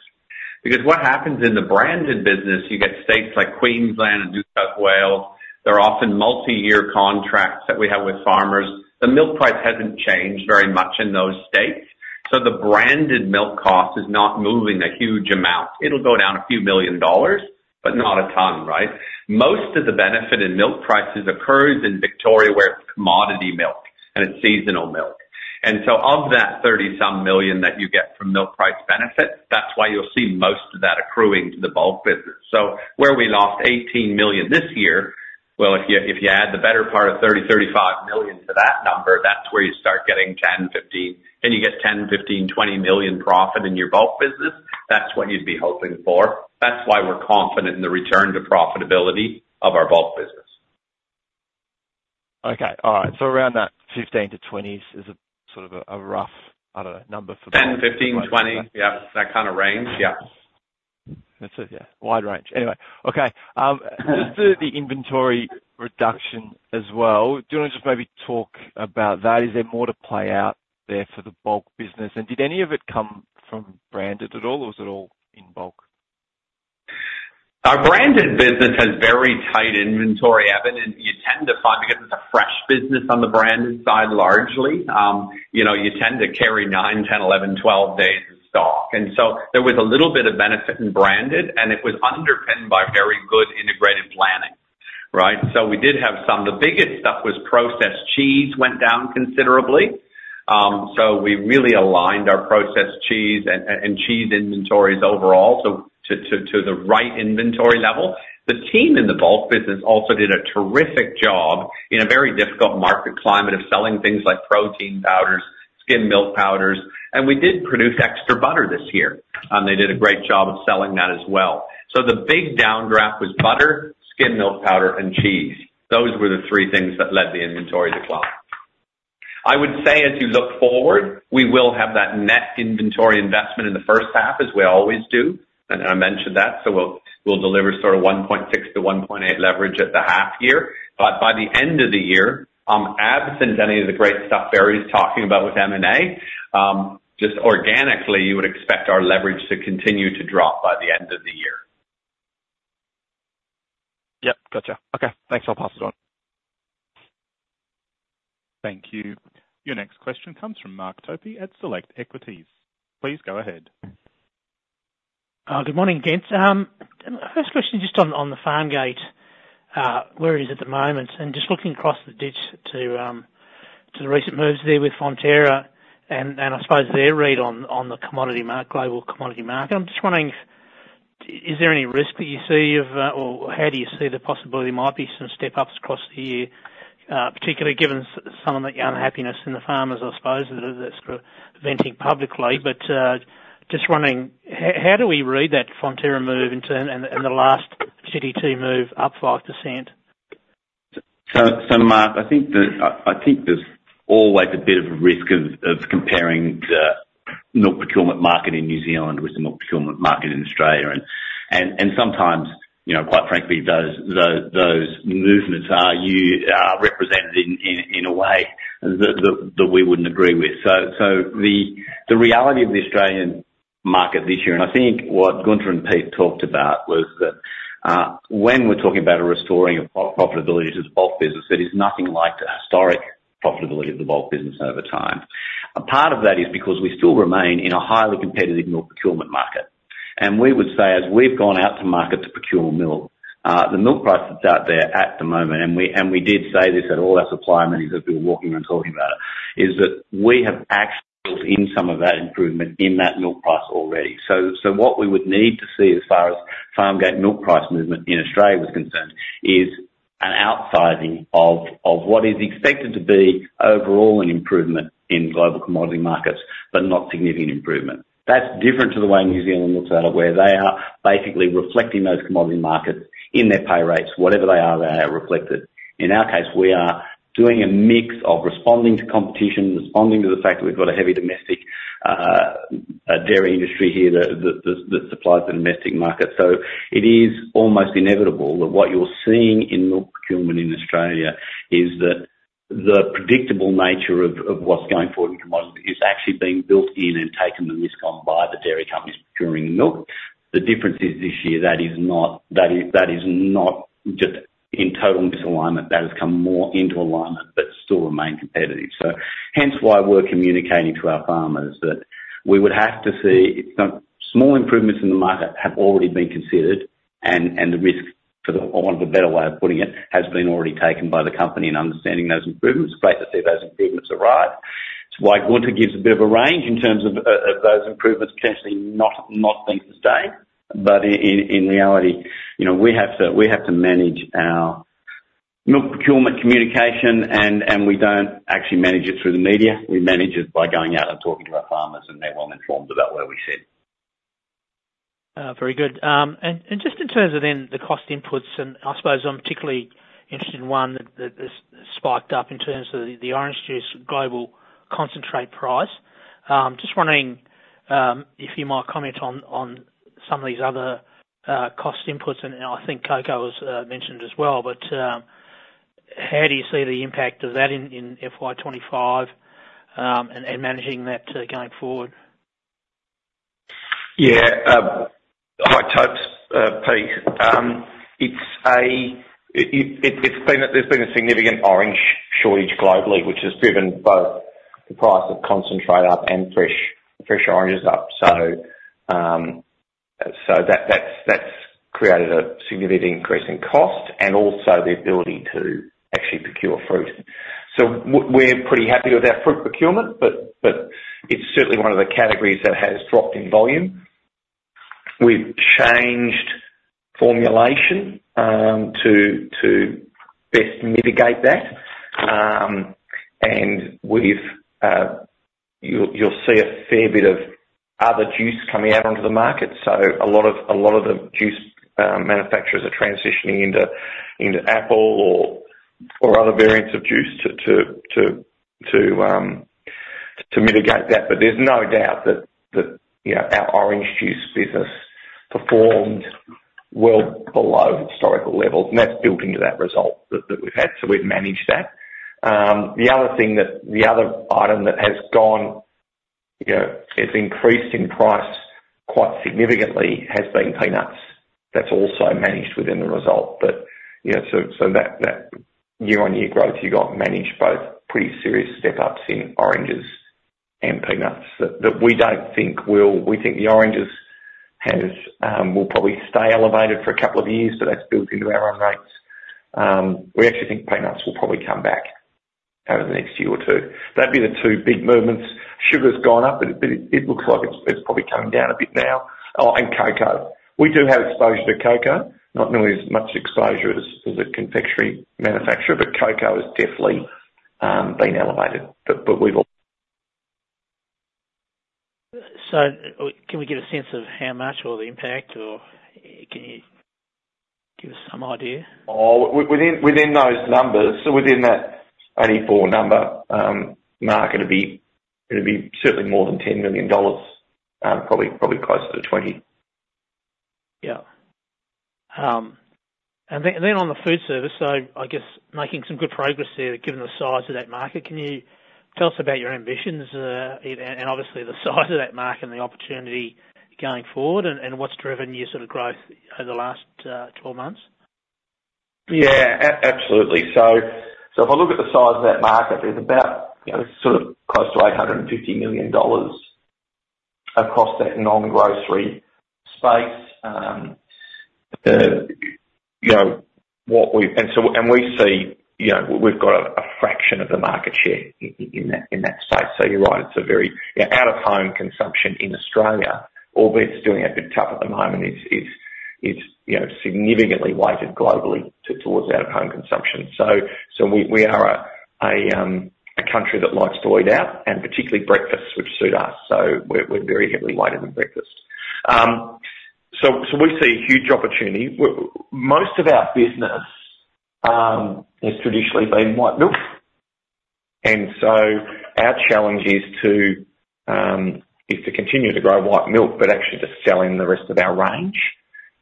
Because what happens in the branded business, you get states like Queensland and New South Wales, they're often multi-year contracts that we have with farmers. The milk price hasn't changed very much in those states, so the branded milk cost is not moving a huge amount. It'll go down a few million AUD, but not a ton, right? Most of the benefit in milk prices occurs in Victoria, where it's commodity milk and it's seasonal milk. And so of that 30-some million that you get from milk price benefit, that's why you'll see most of that accruing to the bulk business. So where we lost 18 million this year, well, if you add the better part of 30 million to 35 million to that number, that's where you start getting 10 million, 15 million, and 20 million profit in your bulk business, that's what you'd be hoping for. That's why we're confident in the return to profitability of our bulk business. Okay. All right. So around that 15 to 20s is a sort of a rough, I don't know. 10, 15, 20. Yeah, that kind of range. Yeah. That's it, yeah. Wide range. Anyway, okay. Just the inventory reduction as well. Do you want to just maybe talk about that? Is there more to play out there for the bulk business, and did any of it come from branded at all, or was it all in bulk? Our branded business has very tight inventory, Evan, and you tend to find, because it's a fresh business on the branded side, largely, you know, you tend to carry nine, 10, 11, 12 days of stock. And so there was a little bit of benefit in branded, and it was underpinned by very good integrated planning, right? So we did have some. The biggest stuff was processed cheese went down considerably. So we really aligned our processed cheese and cheese inventories overall, so to the right inventory level. The team in the bulk business also did a terrific job in a very difficult market climate of selling things like protein powders, skim milk powders, and we did produce extra butter this year. They did a great job of selling that as well. So the big downdraft was butter, skim milk powder, and cheese. Those were the three things that led the inventory decline. I would say, as you look forward, we will have that net inventory investment in the first half, as we always do, and I mentioned that, so we'll deliver sort of 1.6 to 1.8 leverage at the half year. But by the end of the year, absent any of the great stuff Barry's talking about with M&A, just organically, you would expect our leverage to continue to drop by the end of the year. Yep. Gotcha. Okay, thanks, I'll pass it on. Thank you. Your next question comes from Mark Topy at Select Equities. Please go ahead. Good morning, gents. First question, just on the farm gate, where it is at the moment, and just looking across the ditch to the recent moves there with Fonterra and I suppose their read on the commodity market - global commodity market. I'm just wondering, is there any risk that you see or how do you see the possibility there might be some step-ups across the year, particularly given some of the unhappiness in the farmers, I suppose, that's venting publicly? But just wondering, how do we read that Fonterra move in turn, and the last GDT move up 5%? Mark, I think there's always a bit of a risk of comparing the milk procurement market in New Zealand with the milk procurement market in Australia. Sometimes, you know, quite frankly, those movements are represented in a way that we wouldn't agree with. The reality of the Australian market this year, and I think what Gunther and Pete talked about, was that when we're talking about a restoring of profitability to the bulk business, it is nothing like the historic profitability of the bulk business over time. A part of that is because we still remain in a highly competitive milk procurement market. And we would say, as we've gone out to market to procure milk, the milk prices out there at the moment, and we did say this at all our supplier meetings, as we were walking around talking about it, is that we have actually seen some of that improvement in that milk price already. So what we would need to see as far as farm-gate milk price movement in Australia is concerned, is an outsizing of what is expected to be overall an improvement in global commodity markets, but not significant improvement. That's different to the way New Zealand looks at it, where they are basically reflecting those commodity markets in their pay rates. Whatever they are, they are reflected. In our case, we are doing a mix of responding to competition, responding to the fact that we've got a heavy domestic dairy industry here that supplies the domestic market. So it is almost inevitable that what you're seeing in milk procurement in Australia is that the predictable nature of what's going forward in commodities is actually being built in and taken the risk on by the dairy companies procuring milk. The difference is, this year, that is not just in total misalignment. That has come more into alignment, but still remain competitive. Hence why we're communicating to our farmers that we would have to see some small improvements in the market have already been considered, and the risk, for the want of a better way of putting it, has been already taken by the company in understanding those improvements. Great to see those improvements arrive. It's why Gunther gives a bit of a range in terms of those improvements potentially not being sustained. But in reality, you know, we have to manage our milk procurement communication, and we don't actually manage it through the media. We manage it by going out and talking to our farmers, and they're well informed about where we sit. Very good. And just in terms of then the cost inputs, and I suppose I'm particularly interested in one that has spiked up in terms of the orange juice global concentrate price. Just wondering if you might comment on some of these other cost inputs, and I think cocoa was mentioned as well, but how do you see the impact of that in FY25, and managing that going forward? Yeah, hi, Topy, it's Pete. It's been a significant orange shortage globally, which has driven both the price of concentrate up and fresh oranges up. So that has created a significant increase in cost and also the ability to actually procure fruit. So we're pretty happy with our fruit procurement, but it's certainly one of the categories that has dropped in volume. We've changed formulation to best mitigate that. And you'll see a fair bit of other juice coming out onto the market, so a lot of the juice manufacturers are transitioning into apple or other variants of juice to mitigate that. But there's no doubt that you know, our orange juice business performed well below historical levels, and that's built into that result we've had, so we've managed that. The other item that has gone you know, it's increased in price quite significantly, has been peanuts. That's also managed within the result. But, you know, so that year-on-year growth, you got managed both pretty serious step-ups in oranges and peanuts that we don't think. We think the oranges will probably stay elevated for a couple of years, so that's built into our own rates. We actually think peanuts will probably come back over the next year or two. That'd be the two big movements. Sugar's gone up, but it looks like it's probably coming down a bit now and cocoa. We do have exposure to cocoa, not nearly as much exposure as a confectionery manufacturer, but cocoa has definitely been elevated.- Can we get a sense of how much, or the impact, or can you give us some idea? Within those numbers, Mark, it'd be certainly more than 10 million dollars, probably closer to 20 million. Yeah. And then on the food service, so I guess making some good progress there, given the size of that market. Can you tell us about your ambitions, and obviously the size of that market and the opportunity going forward, and what's driven your sort of growth over the last twelve months? Yeah, absolutely. So if I look at the size of that market, it's about, you know, sort of close to 850 million dollars across that non-grocery space. And we see, you know, we've got a fraction of the market share in that space. So you're right, it's a very out of home consumption in Australia, albeit it's doing a bit tough at the moment, is, you know, significantly weighted globally towards out of home consumption. So we are a country that likes to eat out, and particularly breakfast, which suit us. So we're very heavily weighted in breakfast. So we see a huge opportunity. Most of our business has traditionally been white milk, and so our challenge is to continue to grow white milk, but actually just selling the rest of our range,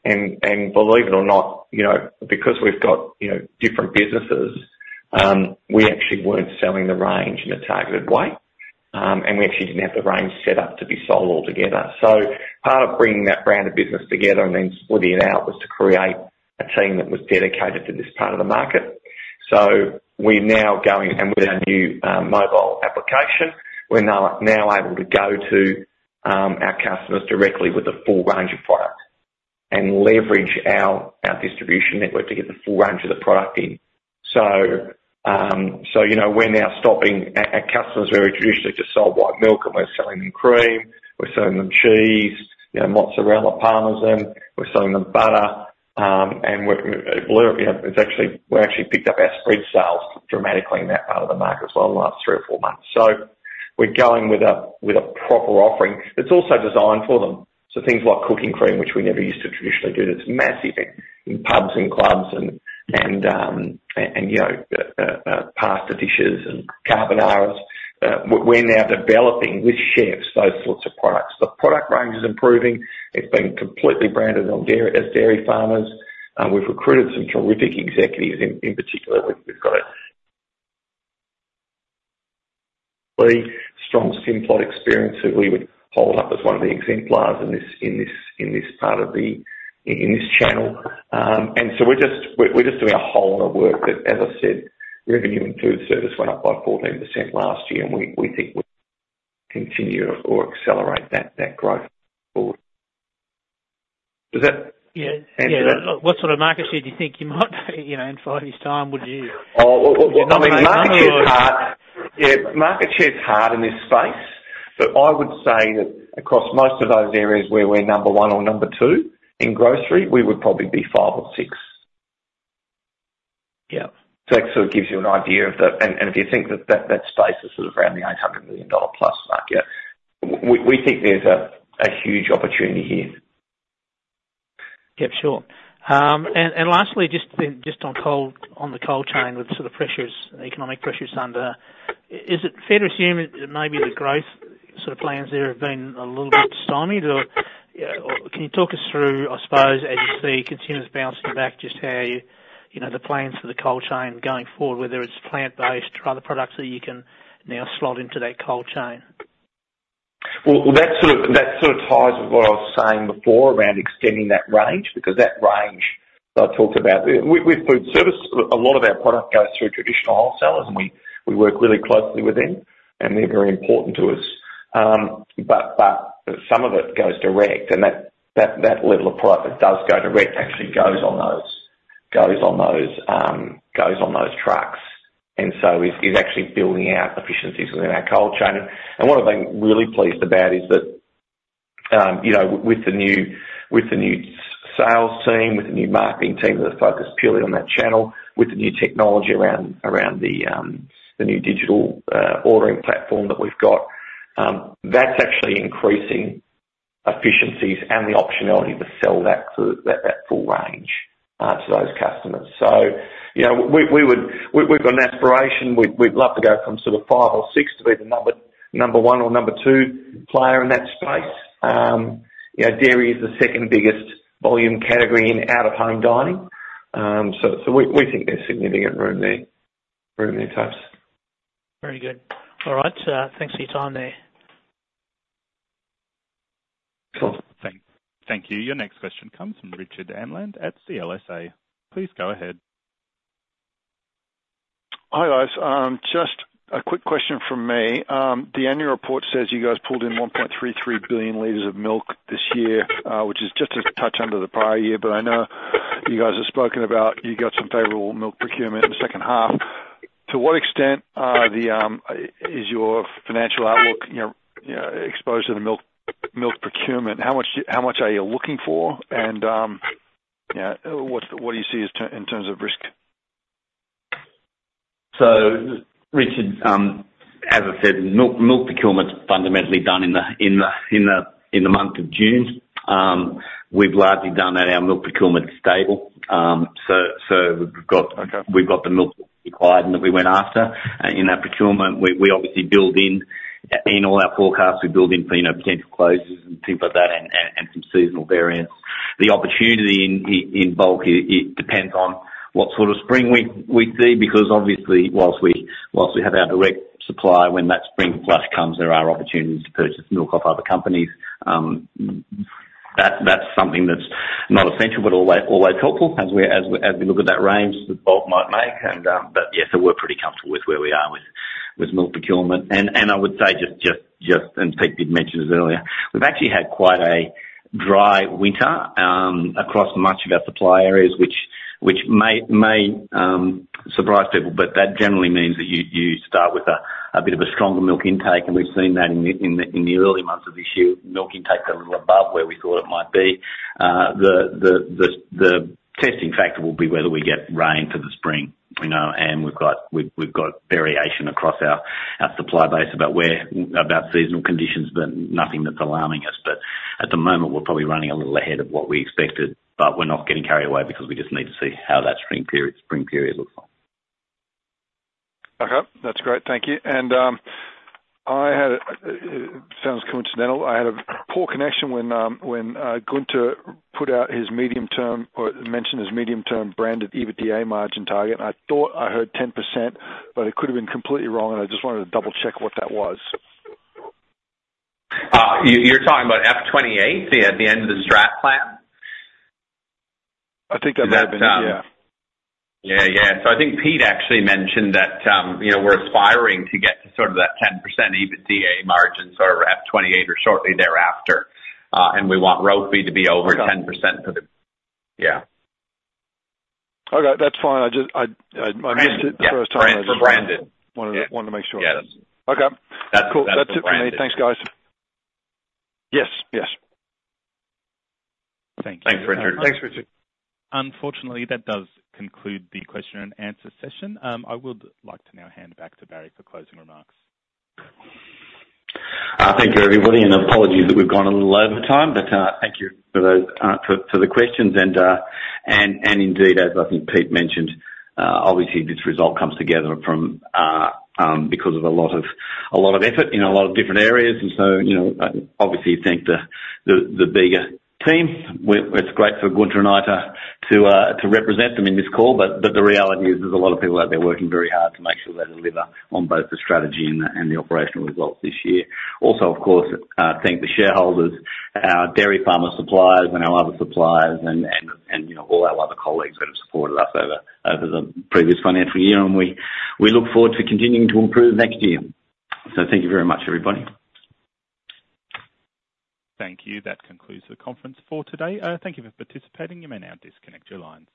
and believe it or not, you know, because we've got, you know, different businesses, we actually weren't selling the range in a targeted way, and we actually didn't have the range set up to be sold altogether. So part of bringing that brand of business together and then splitting it out was to create a team that was dedicated to this part of the market. So we're now going, and with our new mobile application, we're now able to go to our customers directly with a full range of products, and leverage our distribution network to get the full range of the product in. So, you know, we're now stopping. Our customers very traditionally just sold white milk, and we're selling them cream, we're selling them cheese, you know, mozzarella, Parmesan, we're selling them butter, and it blew up, you know, it's actually we actually picked up our spread sales dramatically in that part of the market as well in the last three or four months. So we're going with a proper offering. It's also designed for them, so things like cooking cream, which we never used to traditionally do, that's massive in pubs and clubs and pasta dishes and carbonaras. We're now developing with chefs, those sorts of products. The product range is improving. It's been completely branded on dairy, as Dairy Farmers. We've recruited some terrific executives, in particular, we've got a strong Simplot experience who we would hold up as one of the exemplars in this part of the channel. And so we're just doing a whole lot of work that, as I said, revenue and food service went up by 14% last year, and we think we'll continue or accelerate that growth forward. Yeah. What sort of market share do you think you might, you know, in five years' time, Yeah, market share's hard in this space, but I would say that across most of those areas where we're number one or number two, in grocery, we would probably be five or six. Yeah. So it sort of gives you an idea and if you think that space is sort of around the 800 million dollar-plus market, we think there's a huge opportunity here. Yep, sure. And lastly, just on the cold chain, with sort of pressures, economic pressures under, is it fair to assume that maybe the growth sort of plans there have been a little bit stymied, or, or can you talk us through, I suppose, as you see consumers bouncing back, just how you, you know, the plans for the cold chain going forward, whether it's plant-based or other products that you can now slot into that cold chain? Well, that sort of ties with what I was saying before around extending that range, because that range that I talked about. With food service, a lot of our product goes through traditional wholesalers, and we work really closely with them, and they're very important to us. But some of it goes direct, and that level of product that does go direct actually goes on those trucks, and so is actually building out efficiencies within our cold chain. And what I've been really pleased about is that, you know, with the new sales team, with the new marketing team, that are focused purely on that channel, with the new technology around the new digital ordering platform that we've got, that's actually increasing efficiencies and the optionality to sell that through that full range to those customers. So, you know, we've got an aspiration. We'd love to go from sort of five or six to be the number one or number two player in that space. You know, dairy is the second biggest volume category in out-of-home dining, so we think there's significant room there very many times. Very good. All right, thanks for your time there. Cool. Thank you. Your next question comes from Richard Amland at CLSA. Please go ahead. Hi, guys. Just a quick question from me. The annual report says you guys pulled in 1.33 billion liters of milk this year, which is just a touch under the prior year, but I know you guys have spoken about, you got some favorable milk procurement in the second half. To what extent is your financial outlook, you know, exposed to the milk procurement? How much are you looking for? And what do you see as the risk? Richard, as I said, milk procurement's fundamentally done in the month of June. We've largely done that, our milk procurement's stable, so we've got the milk required and that we went after. In that procurement, we obviously build in all our forecasts for you know potential closes and things like that and some seasonal variants. The opportunity in bulk, it depends on what sort of spring we see, because obviously whilst we have our direct supply, when that spring flush comes, there are opportunities to purchase milk off other companies. That's something that's not essential, but always helpful as we look at that range that bulk might make and but yeah, so we're pretty comfortable with where we are with milk procurement. I would say just, and Pete did mention this earlier, we've actually had quite a dry winter across much of our supply areas, which may surprise people, but that generally means that you start with a bit of a stronger milk intake, and we've seen that in the early months of this year. Milk intake is a little above where we thought it might be. The testing factor will be whether we get rain for the spring, you know, and we've got variation across our supply base about seasonal conditions, but nothing that's alarming us. But at the moment, we're probably running a little ahead of what we expected, but we're not getting carried away because we just need to see how that spring period looks like. Okay, that's great. Thank you. And it sounds coincidental. I had a poor connection when Gunther put out his medium-term or mentioned his medium-term branded EBITDA margin target, and I thought I heard 10%, but it could have been completely wrong, and I just wanted to double-check what that was. You're talking about FY28 at the end of the Strat Plan? I think that may have been, yeah. Yeah, yeah. So I think Pete actually mentioned that, you know, we're aspiring to get to sort of that 10% EBITDA margin, sort of FY28 or shortly thereafter, and we want ROFE to be over 10%. Yeah. Okay, that's fine. I just Missed it the first time. Branded, yeah. Wanted to make sure. Yes. Okay. That's for branded. Cool. That's it for me. Thanks, guys. Yes. Yes. Thanks, Richard. Thanks, Richard. Unfortunately, that does conclude the question and answer session. I would like to now hand back to Barry for closing remarks. Thank you, everybody, and apologies that we've gone a little over time, but thank you for those, for the questions and indeed, as I think Pete mentioned, obviously this result comes together from because of a lot of effort in a lot of different areas. And so, you know, obviously thank the bigger team. It's great for Gunther and I to represent them in this call, but the reality is there's a lot of people out there working very hard to make sure they deliver on both the strategy and the operational results this year. Also, of course, thank the shareholders, our dairy farmer suppliers and our other suppliers and, you know, all our other colleagues that have supported us over the previous financial year, and we look forward to continuing to improve next year. So thank you very much, everybody. Thank you. That concludes the conference for today. Thank you for participating. You may now disconnect your lines.